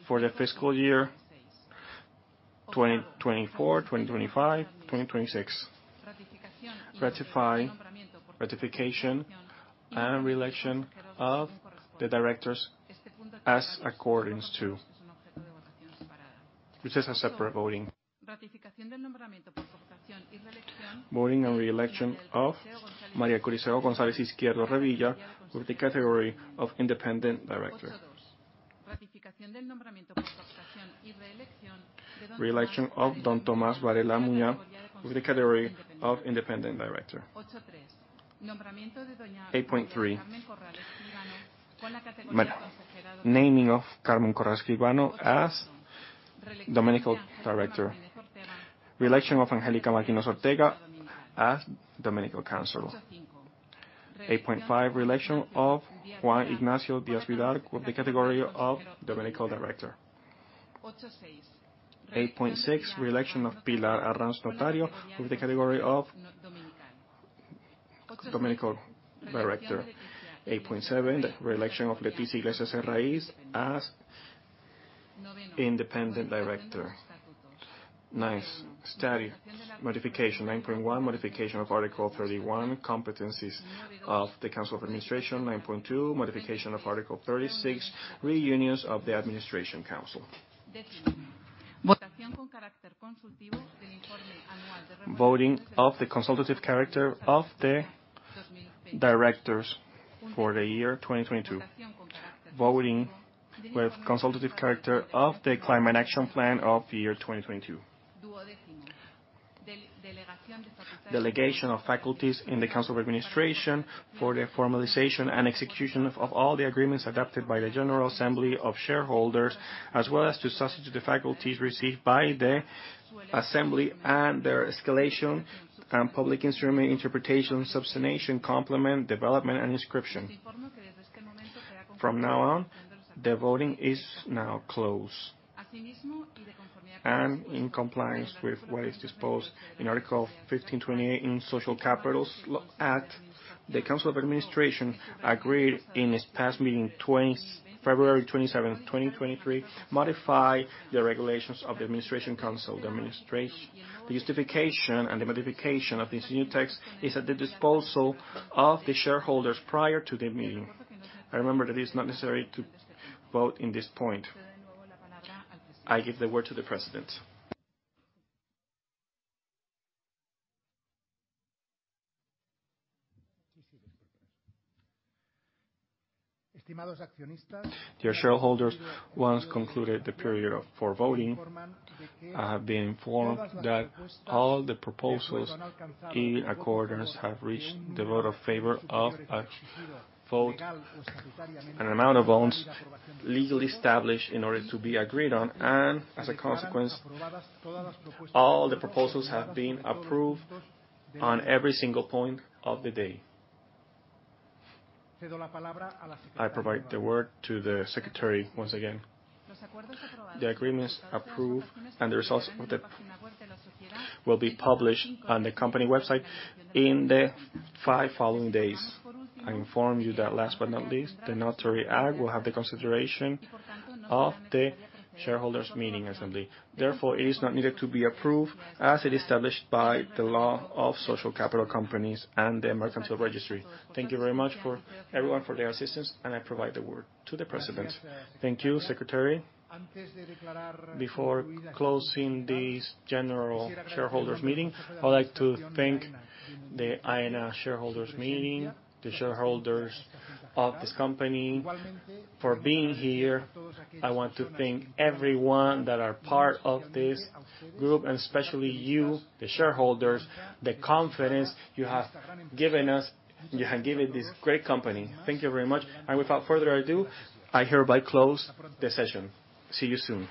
for the fiscal year 2024, 2025, 2026. Ratificación- Ratify. Ratification and reelection of the directors as accordance to... Which is a separate voting. Ratificación del nombramiento por cooptación y reelección. Voting and reelection of María del Coriseo González-Izquierdo Revilla with the category of independent director. 8.2. Ratificación del nombramiento por cooptación y reelección Reelection of Don Tomás Varela Muiña with the category of independent director. 8.3. Nombramiento de 8.3. Carmen Corral Escribano con la categoría de consejero Naming of Carmen Corral Escribano as dominical director. Reelection of Angélica Marquina Ortega as dominical counselor. 8 5. 8.5. Reelection of Juan Ignacio Díaz Bidart with the category of Dominical Director. 8 6. 8.6. Reelection of Pilar Arranz Notario with the category of dominical director. 8.7. The reelection of Leticia Iglesias Herraíz as independent director. 9. Study modification. 9.1. Modification of Article 31, competencies of the Board of Directors. 9.2. Modification of Article 36, reunions of the Administration Council. Décimo. Aprobación con carácter consultivo del informe anual. Voting of the consultative character of the directors for the year 2022. Voting with consultative character of the Climate Action Plan of the year 2022. Duodécimo. Delegación de facultades. Delegation of faculties in the Board of Directors for the formalization and execution of all the agreements adopted by the General Assembly of Shareholders, as well as to substitute the faculties received by the assembly and their escalation and public instrument interpretation, substantiation, complement, development, and inscription. Les informo que desde este momento se da por concluida. From now on, the voting is now closed. Asimismo y de conformidad con lo dispuesto. In compliance with what is disposed in Article 1528 in Capital Companies Act, at the Board of Directors, agreed in its past meeting February 7, 2023, modify the regulations of the Board of Directors. The justification and the modification of this new text is at the disposal of the shareholders prior to the meeting. I remember that it is not necessary to vote in this point. Se da de nuevo la palabra al Presidente. I give the word to the President. Estimados accionistas. Dear shareholders, once concluded the period for voting, I have been informed that all the proposals in accordance have reached the vote of favor of a vote, an amount of votes legally established in order to be agreed on. As a consequence, all the proposals have been approved on every single point of the day. Cedo la palabra a la Secretaria. I provide the word to the secretary once again. Los acuerdos aprobados y los resultados de las votaciones se publicarán en la puerta de la sociedad. The agreements approved and the results will be published on the company website in the five following days. I inform you that, last but not least, the notary act will have the consideration of the shareholders meeting assembly. It is not needed to be approved as it is established by the Capital Companies Act and the Mercantile Registry. Thank you very much for everyone for their assistance. I provide the word to the President. Thank you, Secretary. Before closing this general shareholders meeting, I would like to thank the Aena shareholders meeting, the shareholders of this company for being here. I want to thank everyone that are part of this group, especially you, the shareholders, the confidence you have given us, you have given this great company. Thank you very much. Without further ado, I hereby close the session. See you soon.